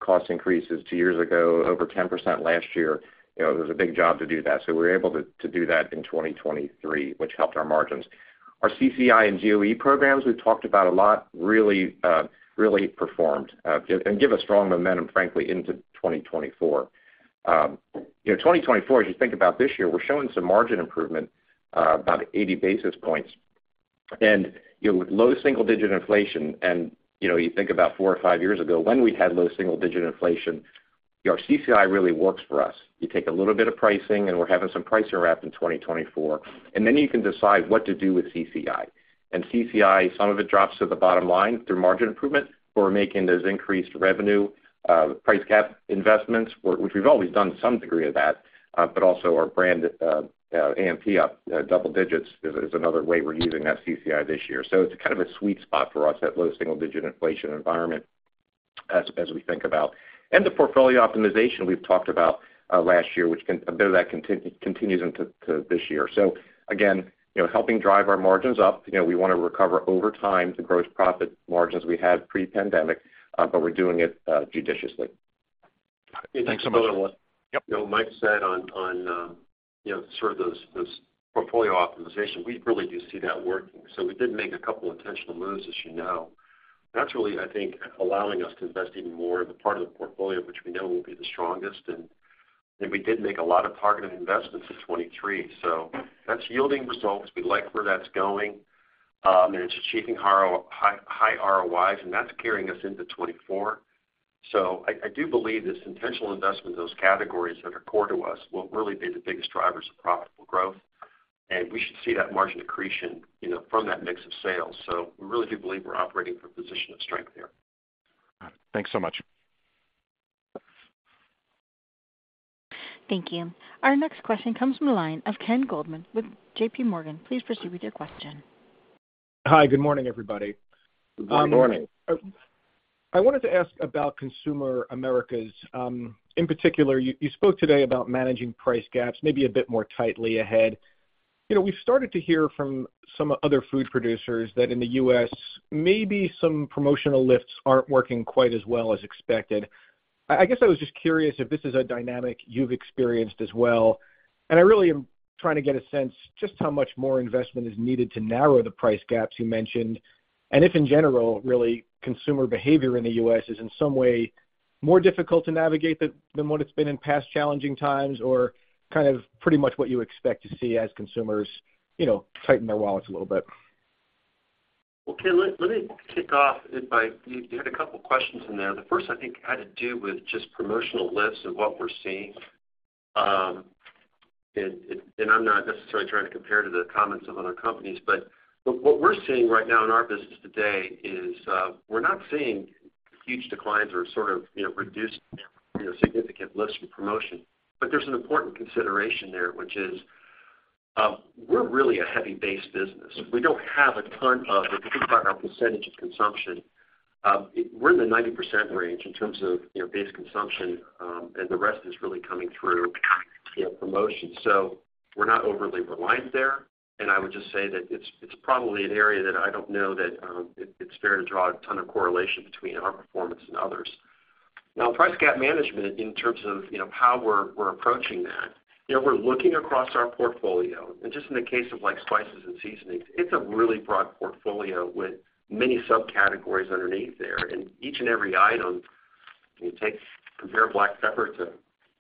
cost increases two years ago, over 10% last year, you know, it was a big job to do that. So we were able to do that in 2023, which helped our margins. Our CCI and GOE programs, we've talked about a lot, really performed and give a strong momentum, frankly, into 2024. You know, 2024, as you think about this year, we're showing some margin improvement, about 80 basis points. You know, with low single-digit inflation, and, you know, you think about four or five years ago when we had low single-digit inflation, your CCI really works for us. You take a little bit of pricing, and we're having some pricing wrapped in 2024, and then you can decide what to do with CCI. And CCI, some of it drops to the bottom line through margin improvement, but we're making those increased revenue, price gap investments, which we've always done some degree of that, but also our brand A&P up double digits is another way we're using that CCI this year. So it's kind of a sweet spot for us, that low single-digit inflation environment as we think about. And the portfolio optimization we've talked about last year, a bit of that continues into this year. So again, you know, helping drive our margins up, you know, we want to recover over time the gross profit margins we had pre-pandemic, but we're doing it judiciously.
Thanks so much.
You know, Mike said, you know, sort of those portfolio optimization, we really do see that working. So we did make a couple intentional moves, as you know. Naturally, I think, allowing us to invest even more in the part of the portfolio, which we know will be the strongest and we did make a lot of targeted investments in 2023. So that's yielding results. We like where that's going, and it's achieving higher ROIs, and that's carrying us into 2024. So I do believe this intentional investment in those categories that are core to us will really be the biggest drivers of profitable growth, and we should see that margin accretion, you know, from that mix of sales. So we really do believe we're operating from a position of strength here.
Got it. Thanks so much.
Thank you. Our next question comes from the line of Ken Goldman with J.P. Morgan. Please proceed with your question.
Hi, good morning, everybody.
Good morning.
I wanted to ask about Consumer Americas. In particular, you spoke today about managing price gaps, maybe a bit more tightly ahead. You know, we've started to hear from some other food producers that in the U.S., maybe some promotional lifts aren't working quite as well as expected. I guess I was just curious if this is a dynamic you've experienced as well. And I really am trying to get a sense just how much more investment is needed to narrow the price gaps you mentioned, and if, in general, really, consumer behavior in the U.S. is in some way more difficult to navigate than what it's been in past challenging times, or kind of pretty much what you expect to see as consumers, you know, tighten their wallets a little bit.
Well, Ken, let me kick off by, you had a couple questions in there. The first, I think, had to do with just promotional lifts and what we're seeing. And I'm not necessarily trying to compare to the comments of other companies, but what we're seeing right now in our business today is, we're not seeing huge declines or sort of, you know, reduced, you know, significant lifts in promotion. But there's an important consideration there, which is, we're really a heavy base business. We don't have a ton of, if you think about our percentage of consumption, we're in the 90% range in terms of, you know, base consumption, and the rest is really coming through, you know, promotion. So we're not overly reliant there, and I would just say that it's probably an area that I don't know that it's fair to draw a ton of correlation between our performance and others. Now, price gap management, in terms of, you know, how we're approaching that, you know, we're looking across our portfolio, and just in the case of, like, spices and seasonings, it's a really broad portfolio with many subcategories underneath there. And each and every item, you take, compare black pepper to,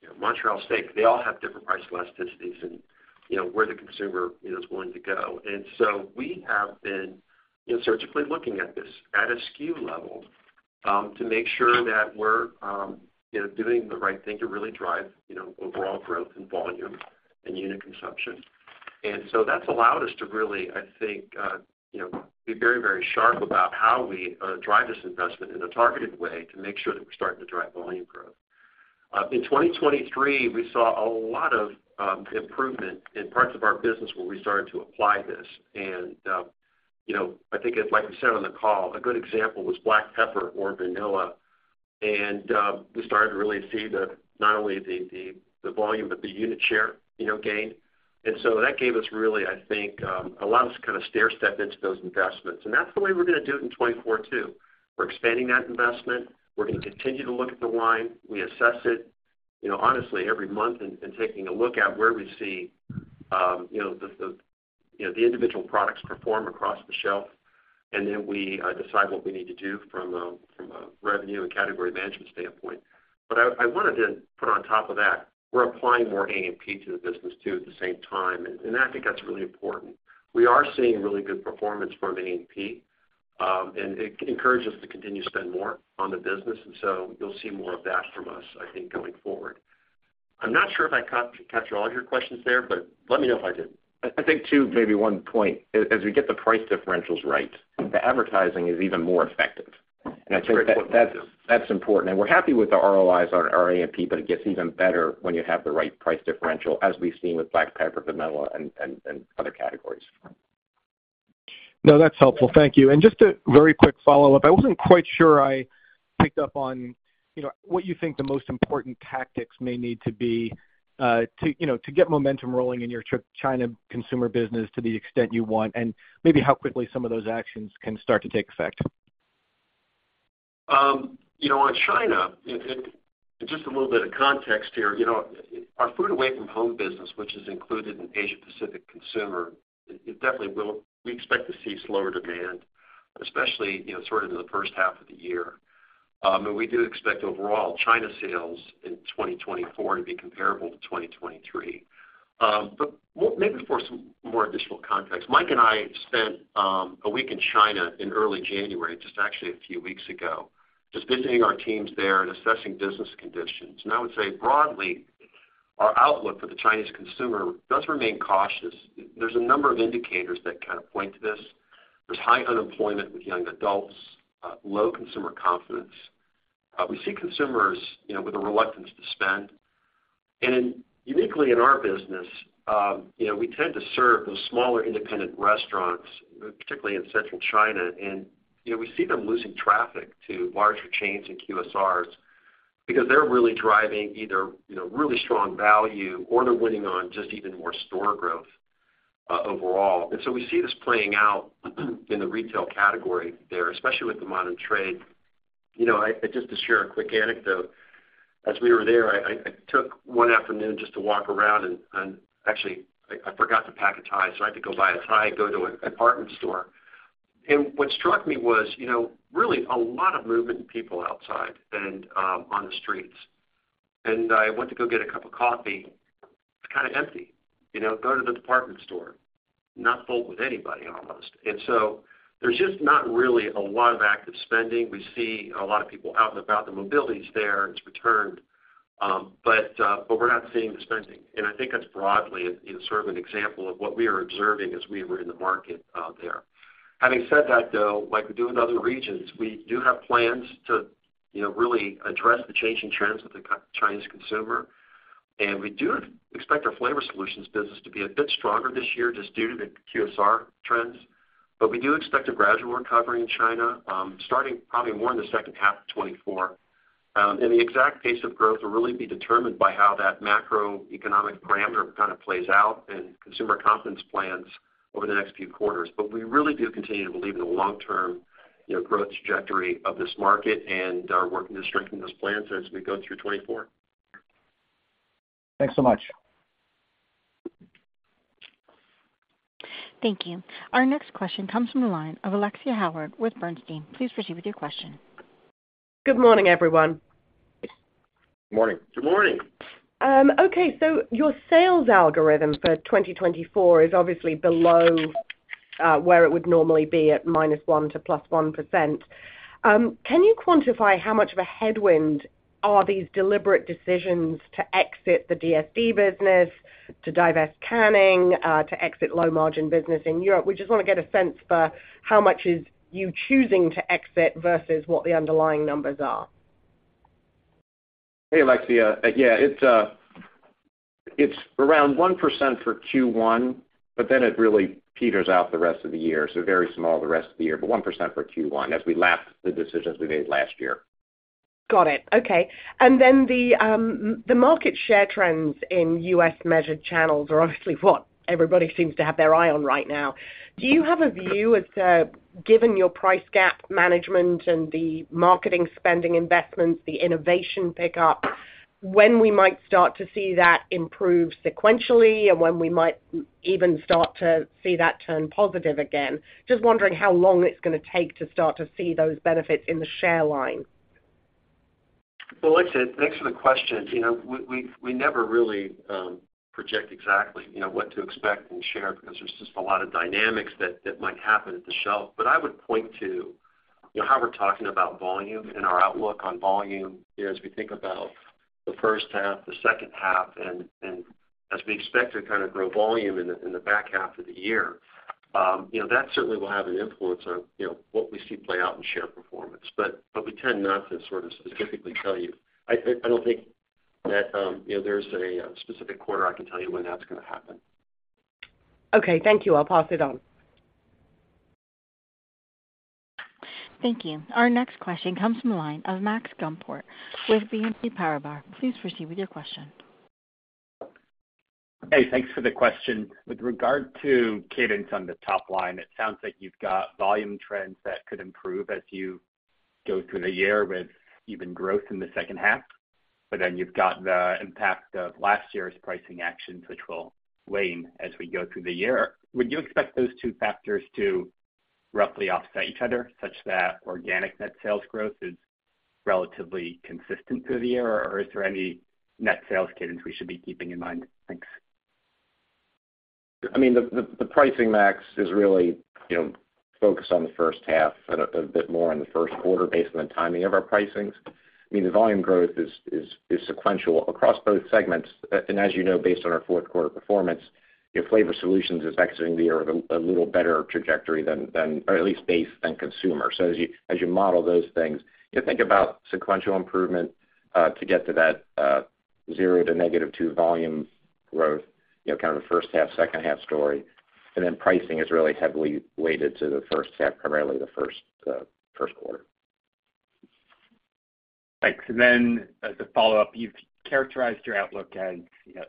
you know, Montreal Steak, they all have different price elasticities, and, you know, where the consumer, you know, is willing to go. And so we have been, you know, surgically looking at this at a SKU level, to make sure that we're, you know, doing the right thing to really drive, you know, overall growth and volume and unit consumption. And so that's allowed us to really, I think, you know, be very, very sharp about how we, drive this investment in a targeted way to make sure that we're starting to drive volume growth. In 2023, we saw a lot of, improvement in parts of our business where we started to apply this. And, you know, I think, as, like we said on the call, a good example was black pepper or vanilla. And, we started to really see the, not only the volume, but the unit share, you know, gain. That gave us really, I think, allowed us to kind of stairstep into those investments, and that's the way we're gonna do it in 2024, too. We're expanding that investment. We're gonna continue to look at the line. We assess it, you know, honestly, every month and taking a look at where we see, you know, the individual products perform across the shelf, and then we decide what we need to do from a revenue and category management standpoint. I wanted to put on top of that, we're applying more A&P to the business, too, at the same time, and I think that's really important. We are seeing really good performance from A&P, and it encourages us to continue to spend more on the business, and so you'll see more of that from us, I think, going forward. I'm not sure if I captured all of your questions there, but let me know if I didn't.
I think, too, maybe one point, as we get the price differentials right, the advertising is even more effective, and I think that's important.
That's important. We're happy with the ROIs on our A&P, but it gets even better when you have the right price differential, as we've seen with black pepper, vanilla, and other categories.
No, that's helpful. Thank you. And just a very quick follow-up, I wasn't quite sure I picked up on, you know, what you think the most important tactics may need to be, to, you know, to get momentum rolling in your China consumer business to the extent you want, and maybe how quickly some of those actions can start to take effect.
You know, on China, just a little bit of context here. You know, our food away from home business, which is included in Asia Pacific Consumer, it definitely will, we expect to see slower demand, especially, you know, sort of in the first half of the year. And we do expect overall China sales in 2024 to be comparable to 2023. But we'll, maybe for some more additional context, Mike and I spent a week in China in early January, just actually a few weeks ago, just visiting our teams there and assessing business conditions. And I would say, broadly, our outlook for the Chinese consumer does remain cautious. There's a number of indicators that kind of point to this. There's high unemployment with young adults, low consumer confidence. We see consumers, you know, with a reluctance to spend. And uniquely in our business, you know, we tend to serve those smaller independent restaurants, particularly in central China, and, you know, we see them losing traffic to larger chains and QSRs because they're really driving either, you know, really strong value or they're winning on just even more store growth, overall. And so we see this playing out in the retail category there, especially with the modern trade. You know, just to share a quick anecdote, as we were there, I took one afternoon just to walk around, and actually, I forgot to pack a tie, so I had to go buy a tie, go to a department store. And what struck me was, you know, really a lot of movement in people outside and on the streets. And I went to go get a cup of coffee; it's kinda empty. You know, go to the department store, not full with anybody, almost. And so there's just not really a lot of active spending. We see a lot of people out and about, the mobility is there, it's returned, but we're not seeing the spending. And I think that's broadly, sort of an example of what we are observing as we were in the market out there. Having said that, though, like we do in other regions, we do have plans to, you know, really address the changing trends of the Chinese consumer, and we do expect our Flavor solutions business to be a bit stronger this year just due to the QSR trends. But we do expect a gradual recovery in China, starting probably more in the second half of 2024. The exact pace of growth will really be determined by how that macroeconomic parameter kind of plays out in consumer confidence plans over the next few quarters. But we really do continue to believe in the long-term, you know, growth trajectory of this market and are working to strengthen those plans as we go through 2024.
Thanks so much.
Thank you. Our next question comes from the line of Alexia Howard with Bernstein. Please proceed with your question.
Good morning, everyone.
Good morning.
Good morning.
Okay, so your sales algorithm for 2024 is obviously below where it would normally be at -1% to +1%. Can you quantify how much of a headwind are these deliberate decisions to exit the DSD business, to divest canning, to exit low-margin business in Europe? We just wanna get a sense for how much is you choosing to exit versus what the underlying numbers are.
Hey, Alexia. Yeah, it's, it's around 1% for Q1, but then it really peters out the rest of the year, so very small the rest of the year, but 1% for Q1 as we lap the decisions we made last year.
Got it. Okay. And then the market share trends in U.S. measured channels are obviously what everybody seems to have their eye on right now. Do you have a view as to, given your price gap management and the marketing spending investments, the innovation pickup, when we might start to see that improve sequentially and when we might even start to see that turn positive again? Just wondering how long it's gonna take to start to see those benefits in the share line.
Well, Alexia, thanks for the question. You know, we never really project exactly, you know, what to expect in share because there's just a lot of dynamics that might happen at the shelf. But I would point to, you know, how we're talking about volume and our outlook on volume as we think about the first half, the second half, and as we expect to kind of grow volume in the back half of the year, you know, that certainly will have an influence on, you know, what we see play out in share performance. But we tend not to sort of specifically tell you. I don't think that, you know, there's a specific quarter I can tell you when that's gonna happen.
Okay, thank you. I'll pass it on.
Thank you. Our next question comes from the line of Max Gumport with BNP Paribas. Please proceed with your question.
Hey, thanks for the question. With regard to cadence on the top line, it sounds like you've got volume trends that could improve as you go through the year with even growth in the second half, but then you've got the impact of last year's pricing actions, which will wane as we go through the year. Would you expect those two factors to roughly offset each other, such that organic net sales growth is relatively consistent through the year, or is there any net sales cadence we should be keeping in mind? Thanks.
I mean, the pricing, Max, is really, you know, focused on the first half and a bit more on the first quarter based on the timing of our pricings. I mean, the volume growth is sequential across both segments. And as you know, based on our fourth quarter performance, your flavor solutions is exiting the year with a little better trajectory than or at least base than consumer. So as you, as you model those things, you think about sequential improvement to get to that 0 to -2 volume growth, you know, kind of a first half, second half story. And then pricing is really heavily weighted to the first half, primarily the first first quarter.
Thanks. Then as a follow-up, you've characterized your outlook as, you know,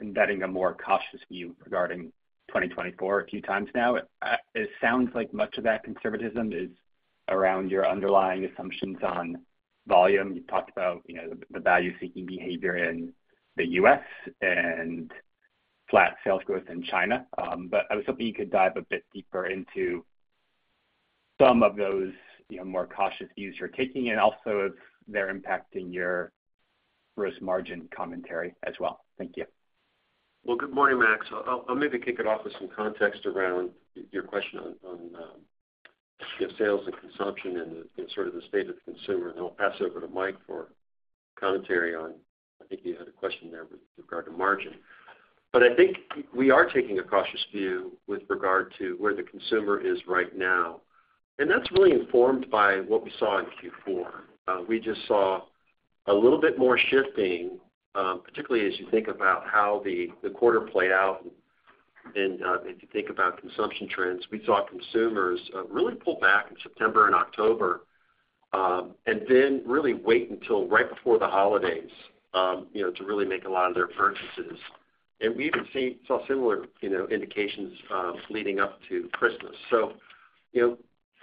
embedding a more cautious view regarding 2024 a few times now. It sounds like much of that conservatism is around your underlying assumptions on volume. You talked about, you know, the value-seeking behavior in the U.S. and flat sales growth in China. But I was hoping you could dive a bit deeper into some of those, you know, more cautious views you're taking, and also if they're impacting your gross margin commentary as well. Thank you.
Well, good morning, Max. I'll maybe kick it off with some context around your question on, you know, sales and consumption and sort of the state of the consumer, and then I'll pass it over to Mike for commentary on, I think you had a question there with regard to margin. But I think we are taking a cautious view with regard to where the consumer is right now, and that's really informed by what we saw in Q4. We just saw a little bit more shifting, particularly as you think about how the quarter played out and, if you think about consumption trends. We saw consumers really pull back in September and October, and then really wait until right before the holidays, you know, to really make a lot of their purchases. We even saw similar, you know, indications leading up to Christmas. So, you know,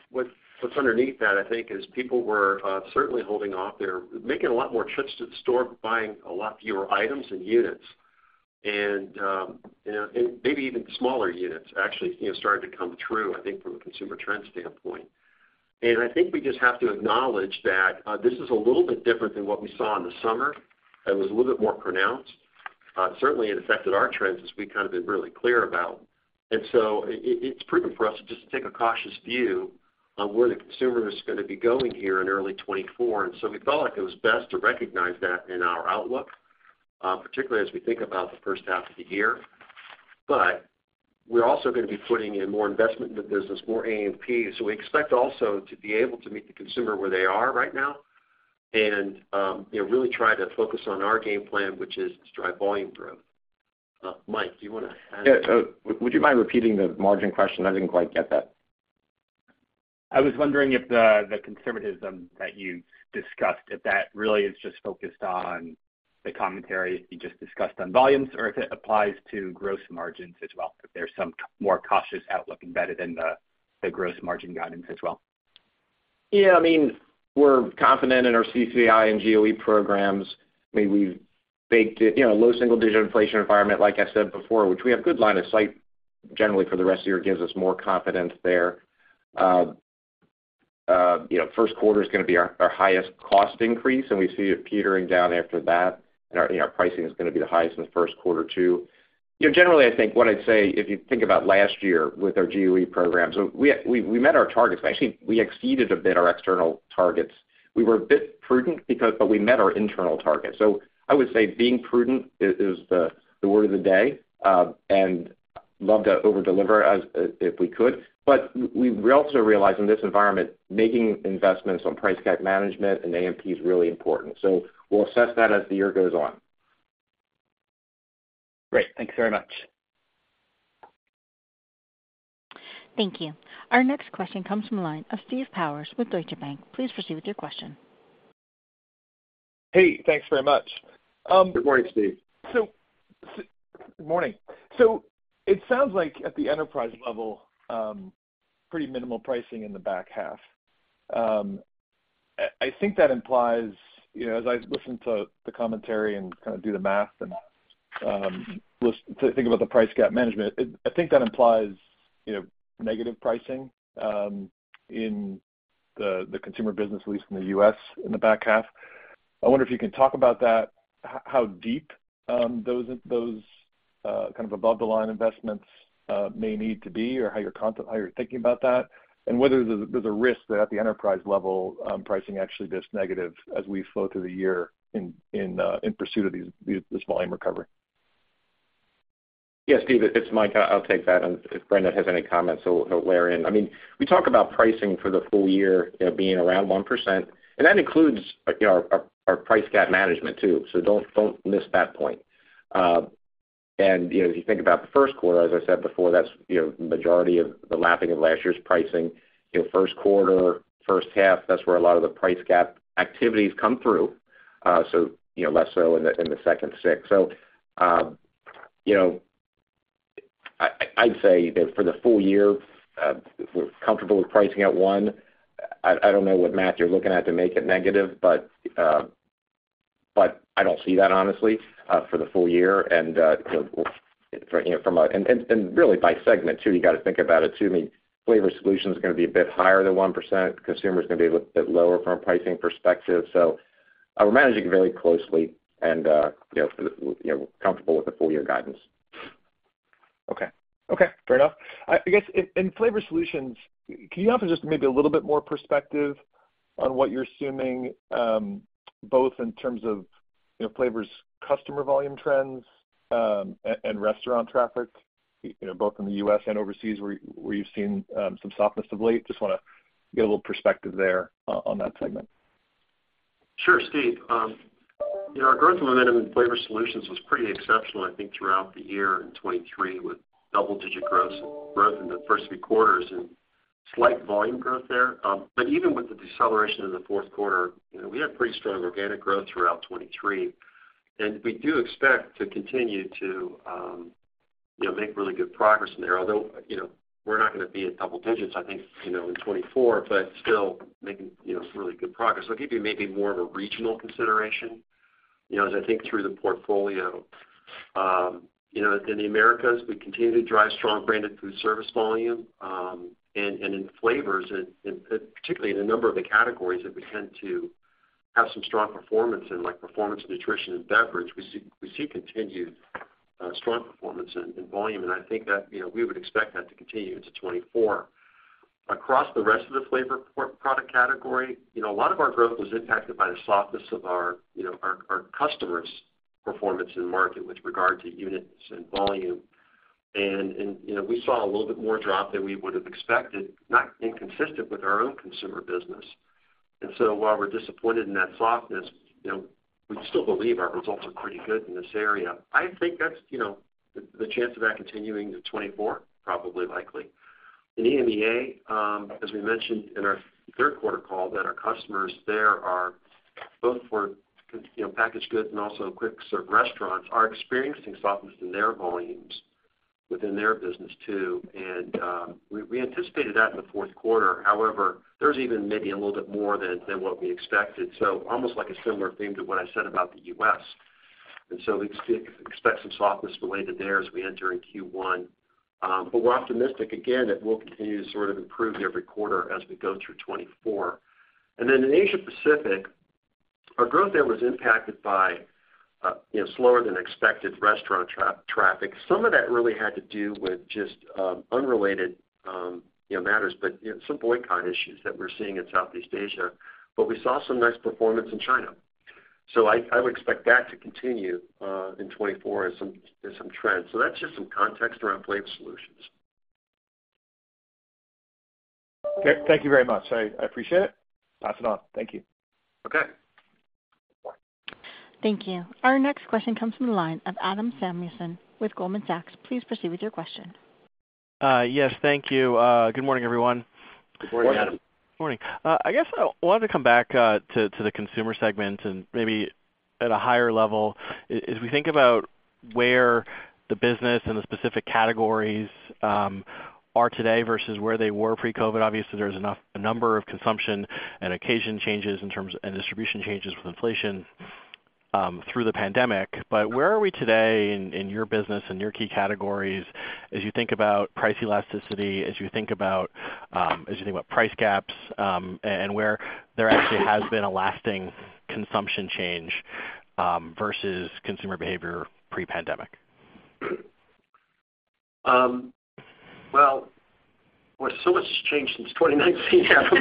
what, what's underneath that, I think, is people were certainly holding off. They're making a lot more trips to the store, buying a lot fewer items and units... and maybe even the smaller units actually, you know, starting to come through, I think, from a consumer trend standpoint. I think we just have to acknowledge that, this is a little bit different than what we saw in the summer. It was a little bit more pronounced. Certainly, it affected our trends, as we've kind of been really clear about. So it's prudent for us to just take a cautious view on where the consumer is gonna be going here in early 2024. We felt like it was best to recognize that in our outlook, particularly as we think about the first half of the year. We're also gonna be putting in more investment in the business, more A&P. We expect also to be able to meet the consumer where they are right now and, you know, really try to focus on our game plan, which is to drive volume growth. Mike, do you wanna add?
Yeah, would you mind repeating the margin question? I didn't quite get that.
I was wondering if the conservatism that you discussed, if that really is just focused on the commentary you just discussed on volumes, or if it applies to gross margins as well, if there's some more cautious outlook embedded in the gross margin guidance as well?
Yeah, I mean, we're confident in our CCI and GOE programs. I mean, we've baked it... You know, low single-digit inflation environment, like I said before, which we have good line of sight generally for the rest of the year, gives us more confidence there. You know, first quarter is gonna be our highest cost increase, and we see it petering down after that. And our, you know, our pricing is gonna be the highest in the first quarter, too. You know, generally, I think what I'd say, if you think about last year with our GOE programs, we met our targets. Actually, we exceeded a bit our external targets. We were a bit prudent because-- but we met our internal targets. So I would say being prudent is the word of the day, and love to over-deliver as if we could. But we also realize in this environment, making investments on price gap management and A&P is really important. So we'll assess that as the year goes on.
Great. Thank you very much.
Thank you. Our next question comes from the line of Steve Powers with Deutsche Bank. Please proceed with your question.
Hey, thanks very much.
Good morning, Steve.
Good morning. So it sounds like at the enterprise level, pretty minimal pricing in the back half. I think that implies, you know, as I listen to the commentary and kind of do the math and to think about the price gap management, I think that implies, you know, negative pricing in the consumer business, at least in the U.S., in the back half. I wonder if you can talk about that, how deep those kind of above-the-line investments may need to be, or how you're thinking about that, and whether there's a risk that at the enterprise level, pricing actually goes negative as we flow through the year in pursuit of this volume recovery.
Yeah, Steve, it's Mike. I'll take that, and if Brendan has any comments, he'll weigh in. I mean, we talk about pricing for the full year, you know, being around 1%, and that includes, you know, our price gap management, too. So don't miss that point. And, you know, if you think about the first quarter, as I said before, that's, you know, majority of the lapping of last year's pricing. You know, first quarter, first half, that's where a lot of the price gap activities come through. So, you know, I'd say that for the full year, we're comfortable with pricing at 1%. I don't know what math you're looking at to make it negative, but, but I don't see that honestly, for the full year. And, you know, from really by segment, too, you gotta think about it, too. I mean, Flavor Solutions is gonna be a bit higher than 1%. Consumer is gonna be a bit lower from a pricing perspective. So, we're managing it very closely and, you know, you know, comfortable with the full year guidance.
Okay. Okay, fair enough. I guess in Flavor Solutions, can you offer just maybe a little bit more perspective on what you're assuming, both in terms of, you know, flavors, customer volume trends, and restaurant traffic, you know, both in the U.S. and overseas, where you've seen some softness of late? Just wanna get a little perspective there on that segment.
Sure, Steve. You know, our growth in Flavor Solutions was pretty exceptional, I think, throughout the year in 2023, with double-digit gross growth in the first three quarters and slight volume growth there. But even with the deceleration in the fourth quarter, you know, we had pretty strong organic growth throughout 2023, and we do expect to continue to, you know, make really good progress in there. Although, you know, we're not gonna be in double digits, I think, you know, in 2024, but still making, you know, some really good progress. I'll give you maybe more of a regional consideration. You know, as I think through the portfolio, you know, in the Americas, we continue to drive strong branded foodservice volume, and in flavors, particularly in a number of the categories that we tend to have some strong performance in, like performance nutrition and beverage, we see continued strong performance in volume, and I think that, you know, we would expect that to continue into 2024. Across the rest of the Flavor Solutions category, you know, a lot of our growth was impacted by the softness of our, you know, our customers' performance in the market with regard to units and volume. You know, we saw a little bit more drop than we would have expected, not inconsistent with our own consumer business. And so while we're disappointed in that softness, you know, we still believe our results are pretty good in this area. I think that's, you know, the chance of that continuing to 2024, probably likely. In EMEA, as we mentioned in our third quarter call, that our customers there are both for, you know, packaged goods and also quick serve restaurants, are experiencing softness in their volumes... within their business, too, and we anticipated that in the fourth quarter. However, there's even maybe a little bit more than what we expected. So almost like a similar theme to what I said about the U.S. And so we expect some softness related there as we enter in Q1. But we're optimistic again, that we'll continue to sort of improve every quarter as we go through 2024. In Asia Pacific, our growth there was impacted by, you know, slower than expected restaurant traffic. Some of that really had to do with just unrelated, you know, matters, but, you know, some boycott issues that we're seeing in Southeast Asia. But we saw some nice performance in China, so I would expect that to continue in 2024 as some trends. So that's just some context around Flavor Solutions.
Okay, thank you very much. I appreciate it. Pass it on. Thank you.
Okay.
Thank you. Our next question comes from the line of Adam Samuelson with Goldman Sachs. Please proceed with your question.
Yes, thank you. Good morning, everyone.
Good morning, Adam.
Morning. I guess I wanted to come back to the Consumer segment, and maybe at a higher level. As we think about where the business and the specific categories are today versus where they were pre-COVID, obviously, there's a number of consumption and occasion changes in terms of, and distribution changes with inflation through the pandemic. But where are we today in your business and your key categories as you think about price elasticity, as you think about price gaps, and where there actually has been a lasting consumption change versus consumer behavior pre-pandemic?
Well, so much has changed since 2019, Adam.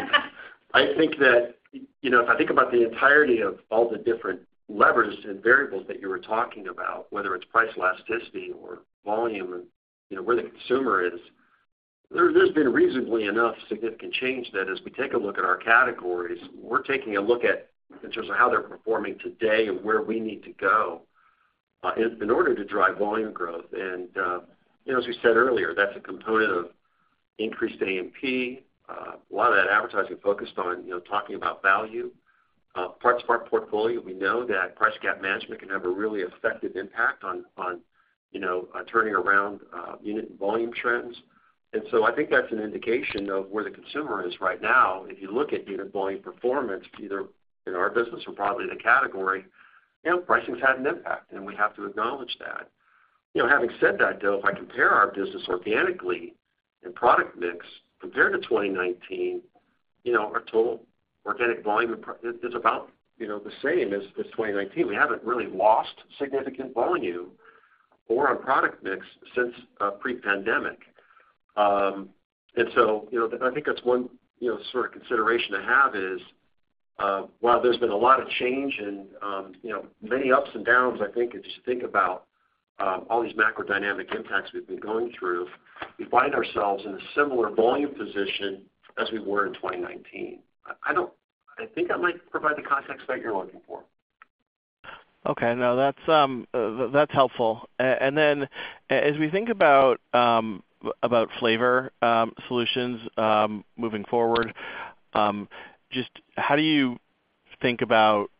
I think that, you know, if I think about the entirety of all the different levers and variables that you were talking about, whether it's price elasticity or volume and, you know, where the consumer is, there's been reasonably enough significant change that as we take a look at our categories, we're taking a look at, in terms of how they're performing today and where we need to go, in order to drive volume growth. And, you know, as we said earlier, that's a component of increased A&P. A lot of that advertising focused on, you know, talking about value. Parts of our portfolio, we know that price gap management can have a really effective impact on, on, you know, turning around, unit volume trends. And so I think that's an indication of where the consumer is right now. If you look at unit volume performance, either in our business or probably the category, you know, pricing's had an impact, and we have to acknowledge that. You know, having said that, though, if I compare our business organically and product mix compared to 2019, you know, our total organic volume is, is about, you know, the same as, as 2019. We haven't really lost significant volume or on product mix since pre-pandemic. And so, you know, I think that's one, you know, sort of consideration to have is, while there's been a lot of change and, you know, many ups and downs, I think, if you think about, all these macro dynamic impacts we've been going through, we find ourselves in a similar volume position as we were in 2019. I think I might provide the context that you're looking for.
Okay. No, that's helpful. And then as we think about flavor solutions moving forward, just how do you think about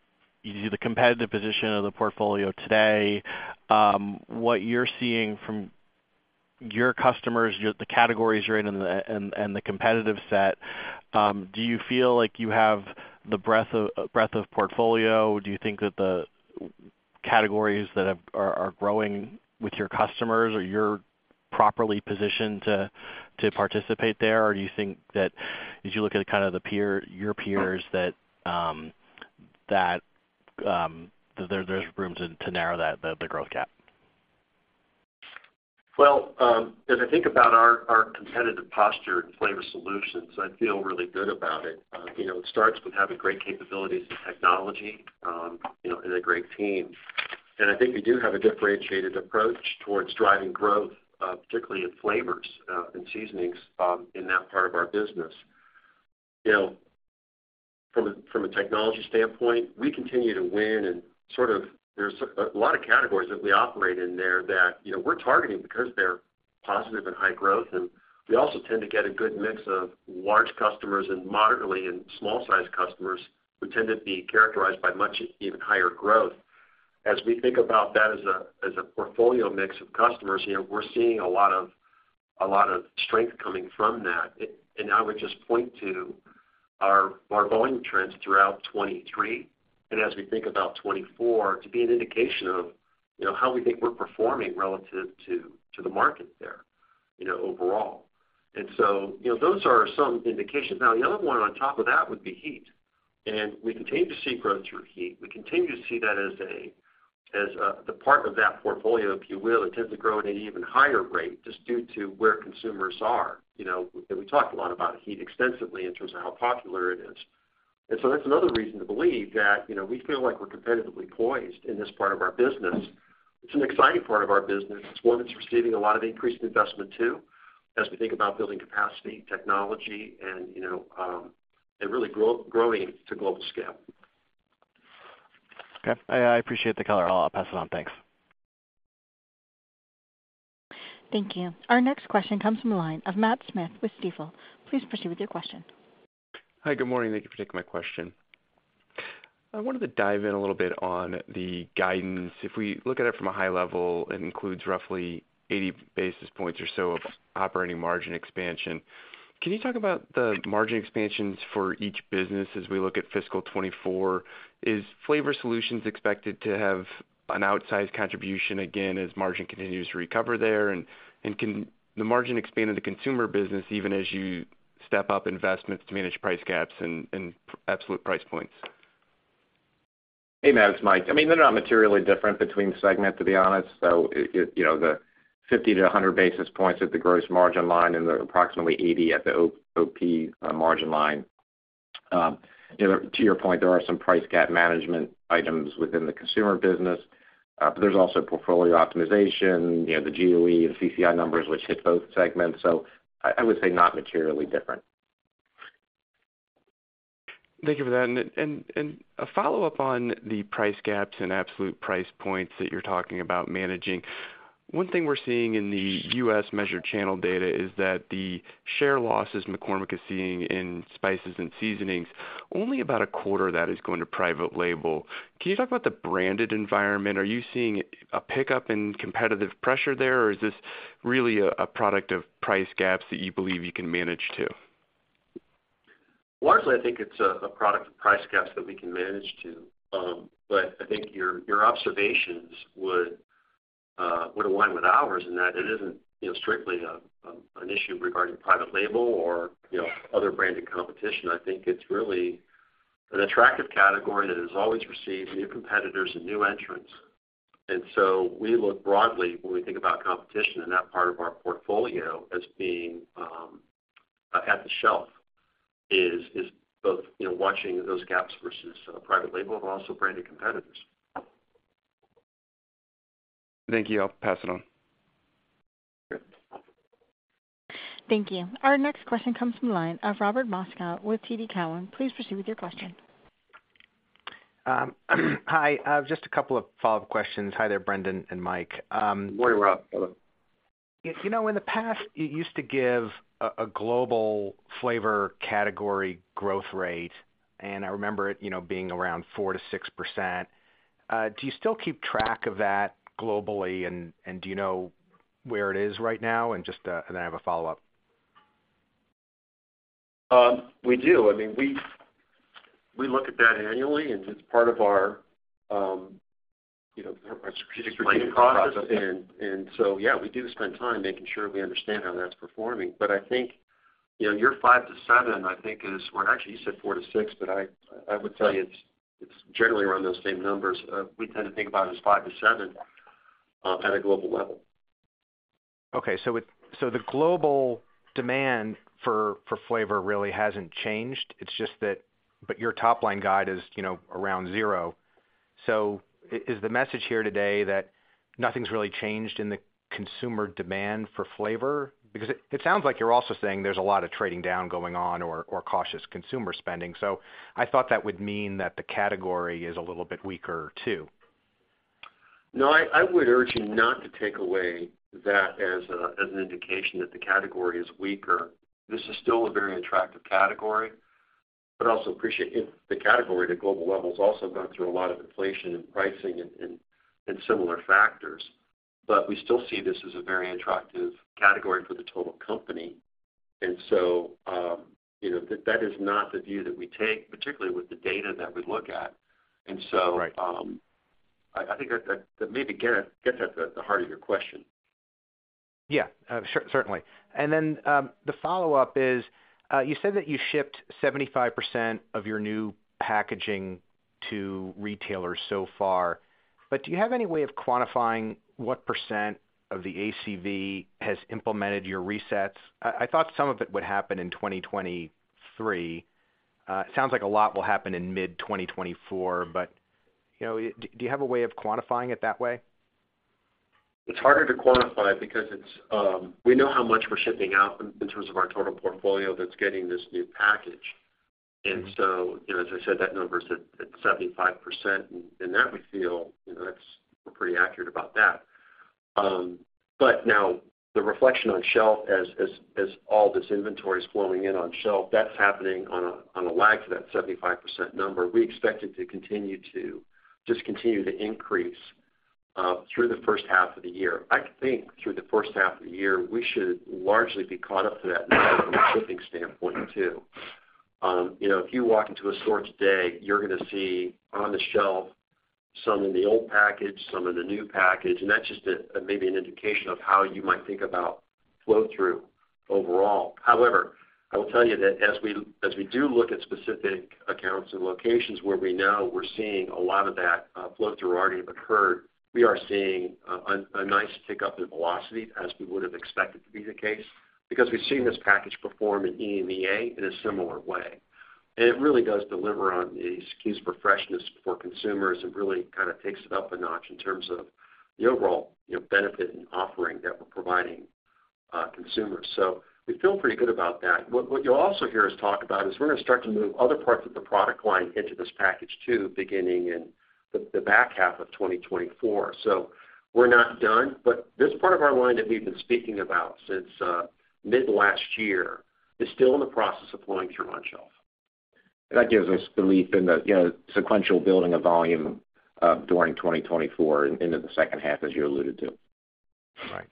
the competitive position of the portfolio today, what you're seeing from your customers, the categories you're in and the competitive set? Do you feel like you have the breadth of portfolio? Do you think that the categories that are growing with your customers, or you're properly positioned to participate there? Or do you think that as you look at kind of the peer, your peers, that there's room to narrow the growth gap?
Well, as I think about our, our competitive posture in flavor solutions, I feel really good about it. You know, it starts with having great capabilities and technology, you know, and a great team. And I think we do have a differentiated approach towards driving growth, particularly in flavors, and seasonings, in that part of our business. You know, from a, from a technology standpoint, we continue to win and sort of there's a, a lot of categories that we operate in there that, you know, we're targeting because they're positive and high growth. And we also tend to get a good mix of large customers and moderately and small-sized customers, who tend to be characterized by much even higher growth. As we think about that as a, as a portfolio mix of customers, you know, we're seeing a lot of, a lot of strength coming from that. And I would just point to our volume trends throughout 2023, and as we think about 2024, to be an indication of, you know, how we think we're performing relative to the market there, you know, overall. And so, you know, those are some indications. Now, the other one on top of that would be heat, and we continue to see growth through heat. We continue to see that as a, as the part of that portfolio, if you will, that tends to grow at an even higher rate just due to where consumers are. You know, we talked a lot about heat extensively in terms of how popular it is. So that's another reason to believe that, you know, we feel like we're competitively poised in this part of our business. It's an exciting part of our business. It's one that's receiving a lot of increased investment, too, as we think about building capacity, technology and, you know, and really growing to global scale.
Okay. I, I appreciate the color. I'll pass it on. Thanks.
Thank you. Our next question comes from the line of Matt Smith with Stifel. Please proceed with your question.
Hi, good morning. Thank you for taking my question.... I wanted to dive in a little bit on the guidance. If we look at it from a high level, it includes roughly 80 basis points or so of operating margin expansion. Can you talk about the margin expansions for each business as we look at fiscal 2024? Is Flavor Solutions expected to have an outsized contribution again, as margin continues to recover there? And can the margin expand in the consumer business even as you step up investments to manage price gaps and absolute price points?
Hey, Matt, it's Mike. I mean, they're not materially different between segment, to be honest. So you know, the 50-100 basis points at the gross margin line and the approximately 80 at the OP margin line. You know, to your point, there are some price gap management items within the consumer business, but there's also portfolio optimization, you know, the GOE and CCI numbers, which hit both segments. So I would say not materially different.
Thank you for that. And a follow-up on the price gaps and absolute price points that you're talking about managing. One thing we're seeing in the U.S. measured channel data is that the share losses McCormick is seeing in spices and seasonings, only about a quarter of that is going to private label. Can you talk about the branded environment? Are you seeing a pickup in competitive pressure there, or is this really a product of price gaps that you believe you can manage too?
Largely, I think it's a product of price gaps that we can manage too. But I think your observations would align with ours in that it isn't, you know, strictly an issue regarding private label or, you know, other branded competition. I think it's really an attractive category that has always received new competitors and new entrants. And so we look broadly when we think about competition in that part of our portfolio as being at the shelf is both, you know, watching those gaps versus private label, but also branded competitors.
Thank you. I'll pass it on.
Sure.
Thank you. Our next question comes from the line of Robert Moskow with TD Cowen. Please proceed with your question.
Hi, just a couple of follow-up questions. Hi there, Brendan and Mike.
Morning, Rob. Hello.
You know, in the past, you used to give a global flavor category growth rate, and I remember it, you know, being around 4%-6%. Do you still keep track of that globally? And do you know where it is right now? And just, I have a follow-up.
We do. I mean, we look at that annually, and it's part of our, you know, our strategic planning process. Yeah, we do spend time making sure we understand how that's performing. But I think, you know, your 5-7, I think, is... Well, actually, you said 4-6, but I would tell you it's generally around those same numbers. We tend to think about it as 5-7 at a global level.
Okay, so the global demand for flavor really hasn't changed. It's just that, but your top-line guide is, you know, around zero. So is the message here today that nothing's really changed in the consumer demand for flavor? Because it sounds like you're also saying there's a lot of trading down going on or cautious consumer spending. So I thought that would mean that the category is a little bit weaker, too.
No, I would urge you not to take away that as an indication that the category is weaker. This is still a very attractive category, but also appreciate it. The category at a global level has also gone through a lot of inflation and pricing and similar factors. But we still see this as a very attractive category for the total company. And so, you know, that is not the view that we take, particularly with the data that we look at. And so-
Right.
I think that maybe that rate gets at the heart of your question.
Yeah, certainly. And then, the follow-up is, you said that you shipped 75% of your new packaging to retailers so far, but do you have any way of quantifying what percent of the ACV has implemented your resets? I thought some of it would happen in 2023. It sounds like a lot will happen in mid-2024, but, you know, do you have a way of quantifying it that way?
It's harder to quantify because it's... We know how much we're shipping out in terms of our total portfolio that's getting this new package.
Mm-hmm.
And so, you know, as I said, that number is at 75%, and that we feel, you know, that's -- we're pretty accurate about that. But now the reflection on shelf as all this inventory is flowing in on shelf, that's happening on a lag to that 75% number. We expect it to continue to just continue to increase through the first half of the year. I think through the first half of the year, we should largely be caught up to that from a shipping standpoint, too. You know, if you walk into a store today, you're gonna see on the shelf some in the old package, some in the new package, and that's just maybe an indication of how you might think about flow-through overall. However, I will tell you that as we, as we do look at specific accounts and locations where we know we're seeing a lot of that flow-through already have occurred, we are seeing a nice pickup in velocity as we would have expected to be the case, because we've seen this package perform in EMEA in a similar way. And it really does deliver on the excuse for freshness for consumers. It really kinda takes it up a notch in terms of the overall, you know, benefit and offering that we're providing consumers. So we feel pretty good about that. What, what you'll also hear us talk about is, we're gonna start to move other parts of the product line into this package too, beginning in the back half of 2024. We're not done, but this part of our line that we've been speaking about since mid last year is still in the process of flowing through on shelf.
That gives us belief in the, you know, sequential building of volume, during 2024 and into the second half, as you alluded to.
Right.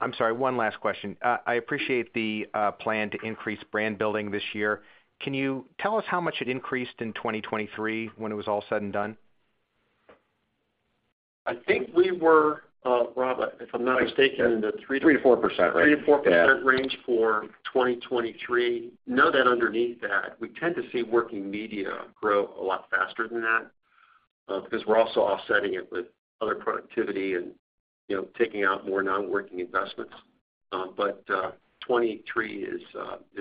I'm sorry, one last question. I appreciate the plan to increase brand building this year. Can you tell us how much it increased in 2023 when it was all said and done?
I think we were, Rob, if I'm not mistaken, the three-
3%-4%, right.
3%-4% range for 2023. Know that underneath that, we tend to see working media grow a lot faster than that, because we're also offsetting it with other productivity and, you know, taking out more non-working investments. But, 2023 is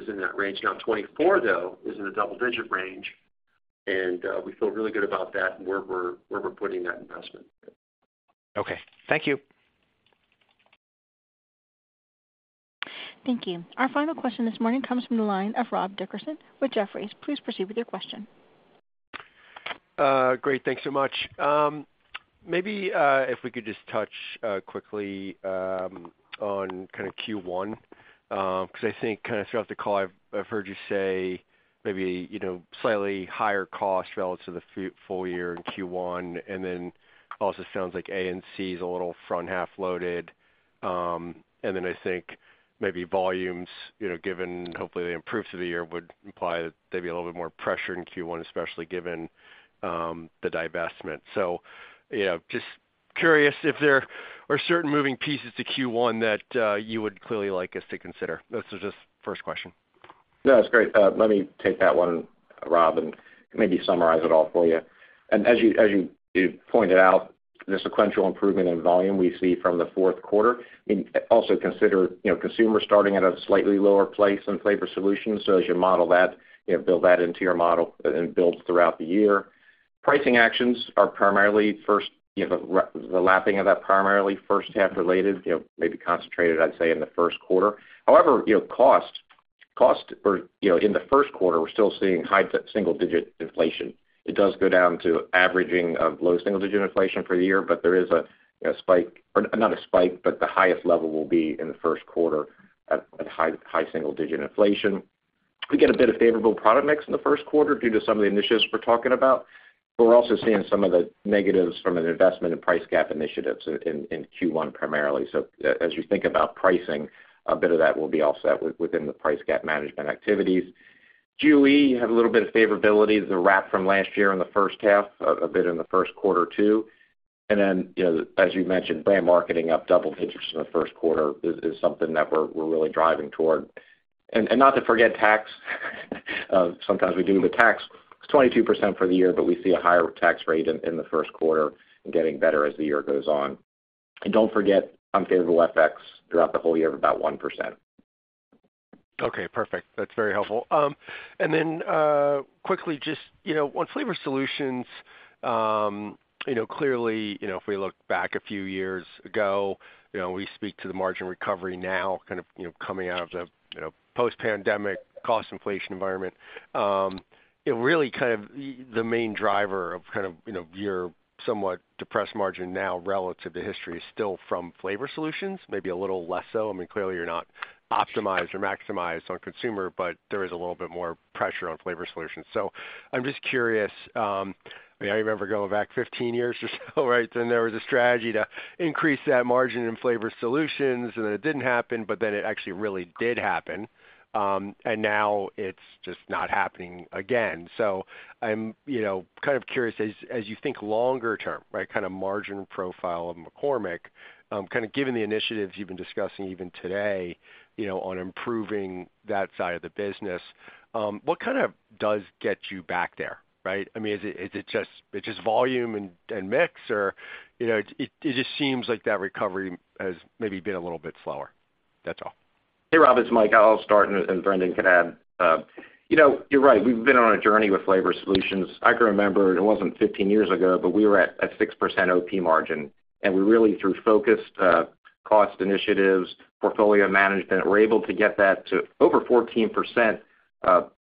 in that range. Now, 2024, though, is in a double-digit range, and, we feel really good about that and where we're, where we're putting that investment.
Okay. Thank you.
Thank you. Our final question this morning comes from the line of Rob Dickerson with Jefferies. Please proceed with your question.
Great, thanks so much. Maybe, if we could just touch quickly on kind of Q1, 'cause I think kind of throughout the call, I've heard you say maybe, you know, slightly higher cost relative to the full year in Q1, and then also sounds like A&P is a little front-half loaded. And then I think maybe volumes, you know, given hopefully the improvements of the year would imply that they'd be a little bit more pressure in Q1, especially given the divestment. So, you know, just curious if there are certain moving pieces to Q1 that you would clearly like us to consider. This is just first question.
No, it's great. Let me take that one, Rob, and maybe summarize it all for you. As you pointed out, the sequential improvement in volume we see from the fourth quarter, and also consider, you know, Consumer starting at a slightly lower place in Flavor Solutions. So as you model that, you know, build that into your model and build throughout the year. Pricing actions are primarily first, you know, relapping of that primarily first half related, you know, maybe concentrated, I'd say, in the first quarter. However, you know, in the first quarter, we're still seeing high single-digit inflation. It does go down to averaging low single-digit inflation for the year, but there is a spike, or not a spike, but the highest level will be in the first quarter at high single-digit inflation. We get a bit of favorable product mix in the first quarter due to some of the initiatives we're talking about, but we're also seeing some of the negatives from an investment in price gap initiatives in Q1 primarily. So as you think about pricing, a bit of that will be offset within the price gap management activities. Q2 had a little bit of favorability, the wrap from last year in the first half, a bit in the first quarter, too. And then, you know, as you mentioned, brand marketing up double digits in the first quarter is something that we're really driving toward. And not to forget, tax. Sometimes we do, the tax is 22% for the year, but we see a higher tax rate in the first quarter and getting better as the year goes on. And don't forget unfavorable FX throughout the whole year of about 1%.
Okay, perfect. That's very helpful. And then, quickly, just, you know, on Flavor Solutions, you know, clearly, you know, if we look back a few years ago, you know, we speak to the margin recovery now, kind of, you know, coming out of the, you know, post-pandemic cost inflation environment. It really kind of the main driver of kind of, you know, your somewhat depressed margin now relative to history is still from Flavor Solutions, maybe a little less so. I mean, clearly, you're not optimized or maximized on Consumer, but there is a little bit more pressure on Flavor Solutions. So I'm just curious, I remember going back 15 years or so, right? Then there was a strategy to increase that margin in Flavor Solutions, and it didn't happen, but then it actually really did happen. And now it's just not happening again. So I'm, you know, kind of curious, as you think longer term, right, kind of margin profile of McCormick, kind of given the initiatives you've been discussing even today, you know, on improving that side of the business, what kind of does get you back there, right? I mean, is it just volume and mix or... You know, it just seems like that recovery has maybe been a little bit slower. That's all.
Hey, Rob, it's Mike. I'll start, and, and Brendan can add. You know, you're right. We've been on a journey with flavor solutions. I can remember, it wasn't 15 years ago, but we were at a 6% OP margin, and we really, through focused, cost initiatives, portfolio management, were able to get that to over 14%,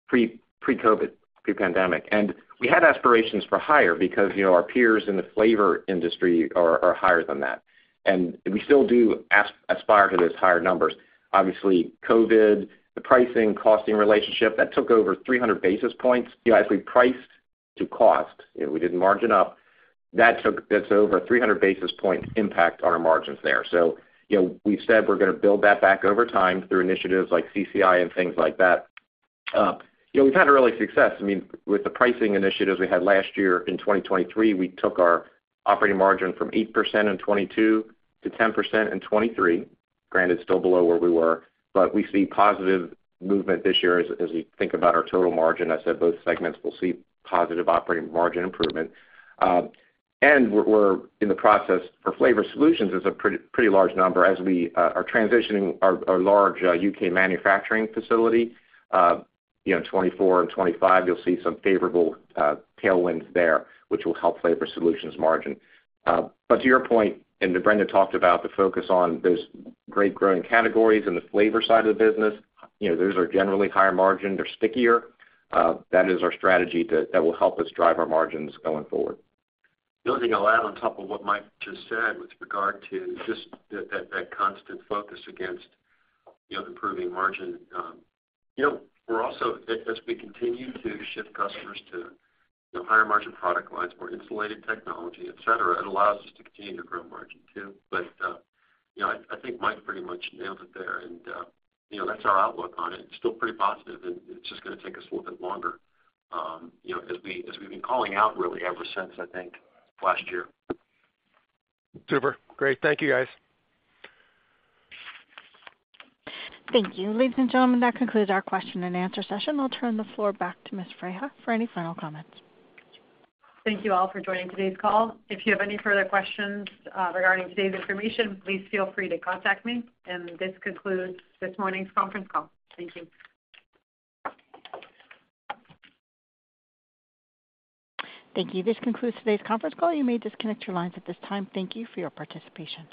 pre-COVID, pre-pandemic. And we had aspirations for higher because, you know, our peers in the flavor industry are, are higher than that. And we still do aspire to those higher numbers. Obviously, COVID, the pricing, costing relationship, that took over 300 basis points. You know, as we priced to cost, you know, we didn't margin up. That took, that's over 300 basis points impact on our margins there. So you know, we've said we're gonna build that back over time through initiatives like CCI and things like that. You know, we've had early success. I mean, with the pricing initiatives we had last year in 2023, we took our operating margin from 8% in 2022 to 10% in 2023. Granted, still below where we were, but we see positive movement this year as we think about our total margin. I said both segments will see positive operating margin improvement. And we're in the process for Flavor Solutions is a pretty large number as we are transitioning our large UK manufacturing facility. You know, 2024 and 2025, you'll see some favorable tailwinds there, which will help Flavor Solutions margin. But to your point, and Brendan talked about the focus on those great growing categories in the flavor side of the business, you know, those are generally higher margin. They're stickier. That is our strategy that will help us drive our margins going forward.
The only thing I'll add on top of what Mike just said with regard to just that constant focus against, you know, improving margin. You know, we're also, as we continue to shift customers to, you know, higher margin product lines, more insulated technology, et cetera, it allows us to continue to grow margin too. But, you know, I think Mike pretty much nailed it there. And, you know, that's our outlook on it. It's still pretty positive, and it's just gonna take us a little bit longer, you know, as we've been calling out really ever since, I think, last year.
Super. Great. Thank you, guys.
Thank you. Ladies and gentlemen, that concludes our question and answer session. I'll turn the floor back to Fiza for any final comments.
Thank you all for joining today's call. If you have any further questions regarding today's information, please feel free to contact me. This concludes this morning's conference call. Thank you.
Thank you. This concludes today's conference call. You may disconnect your lines at this time. Thank you for your participation.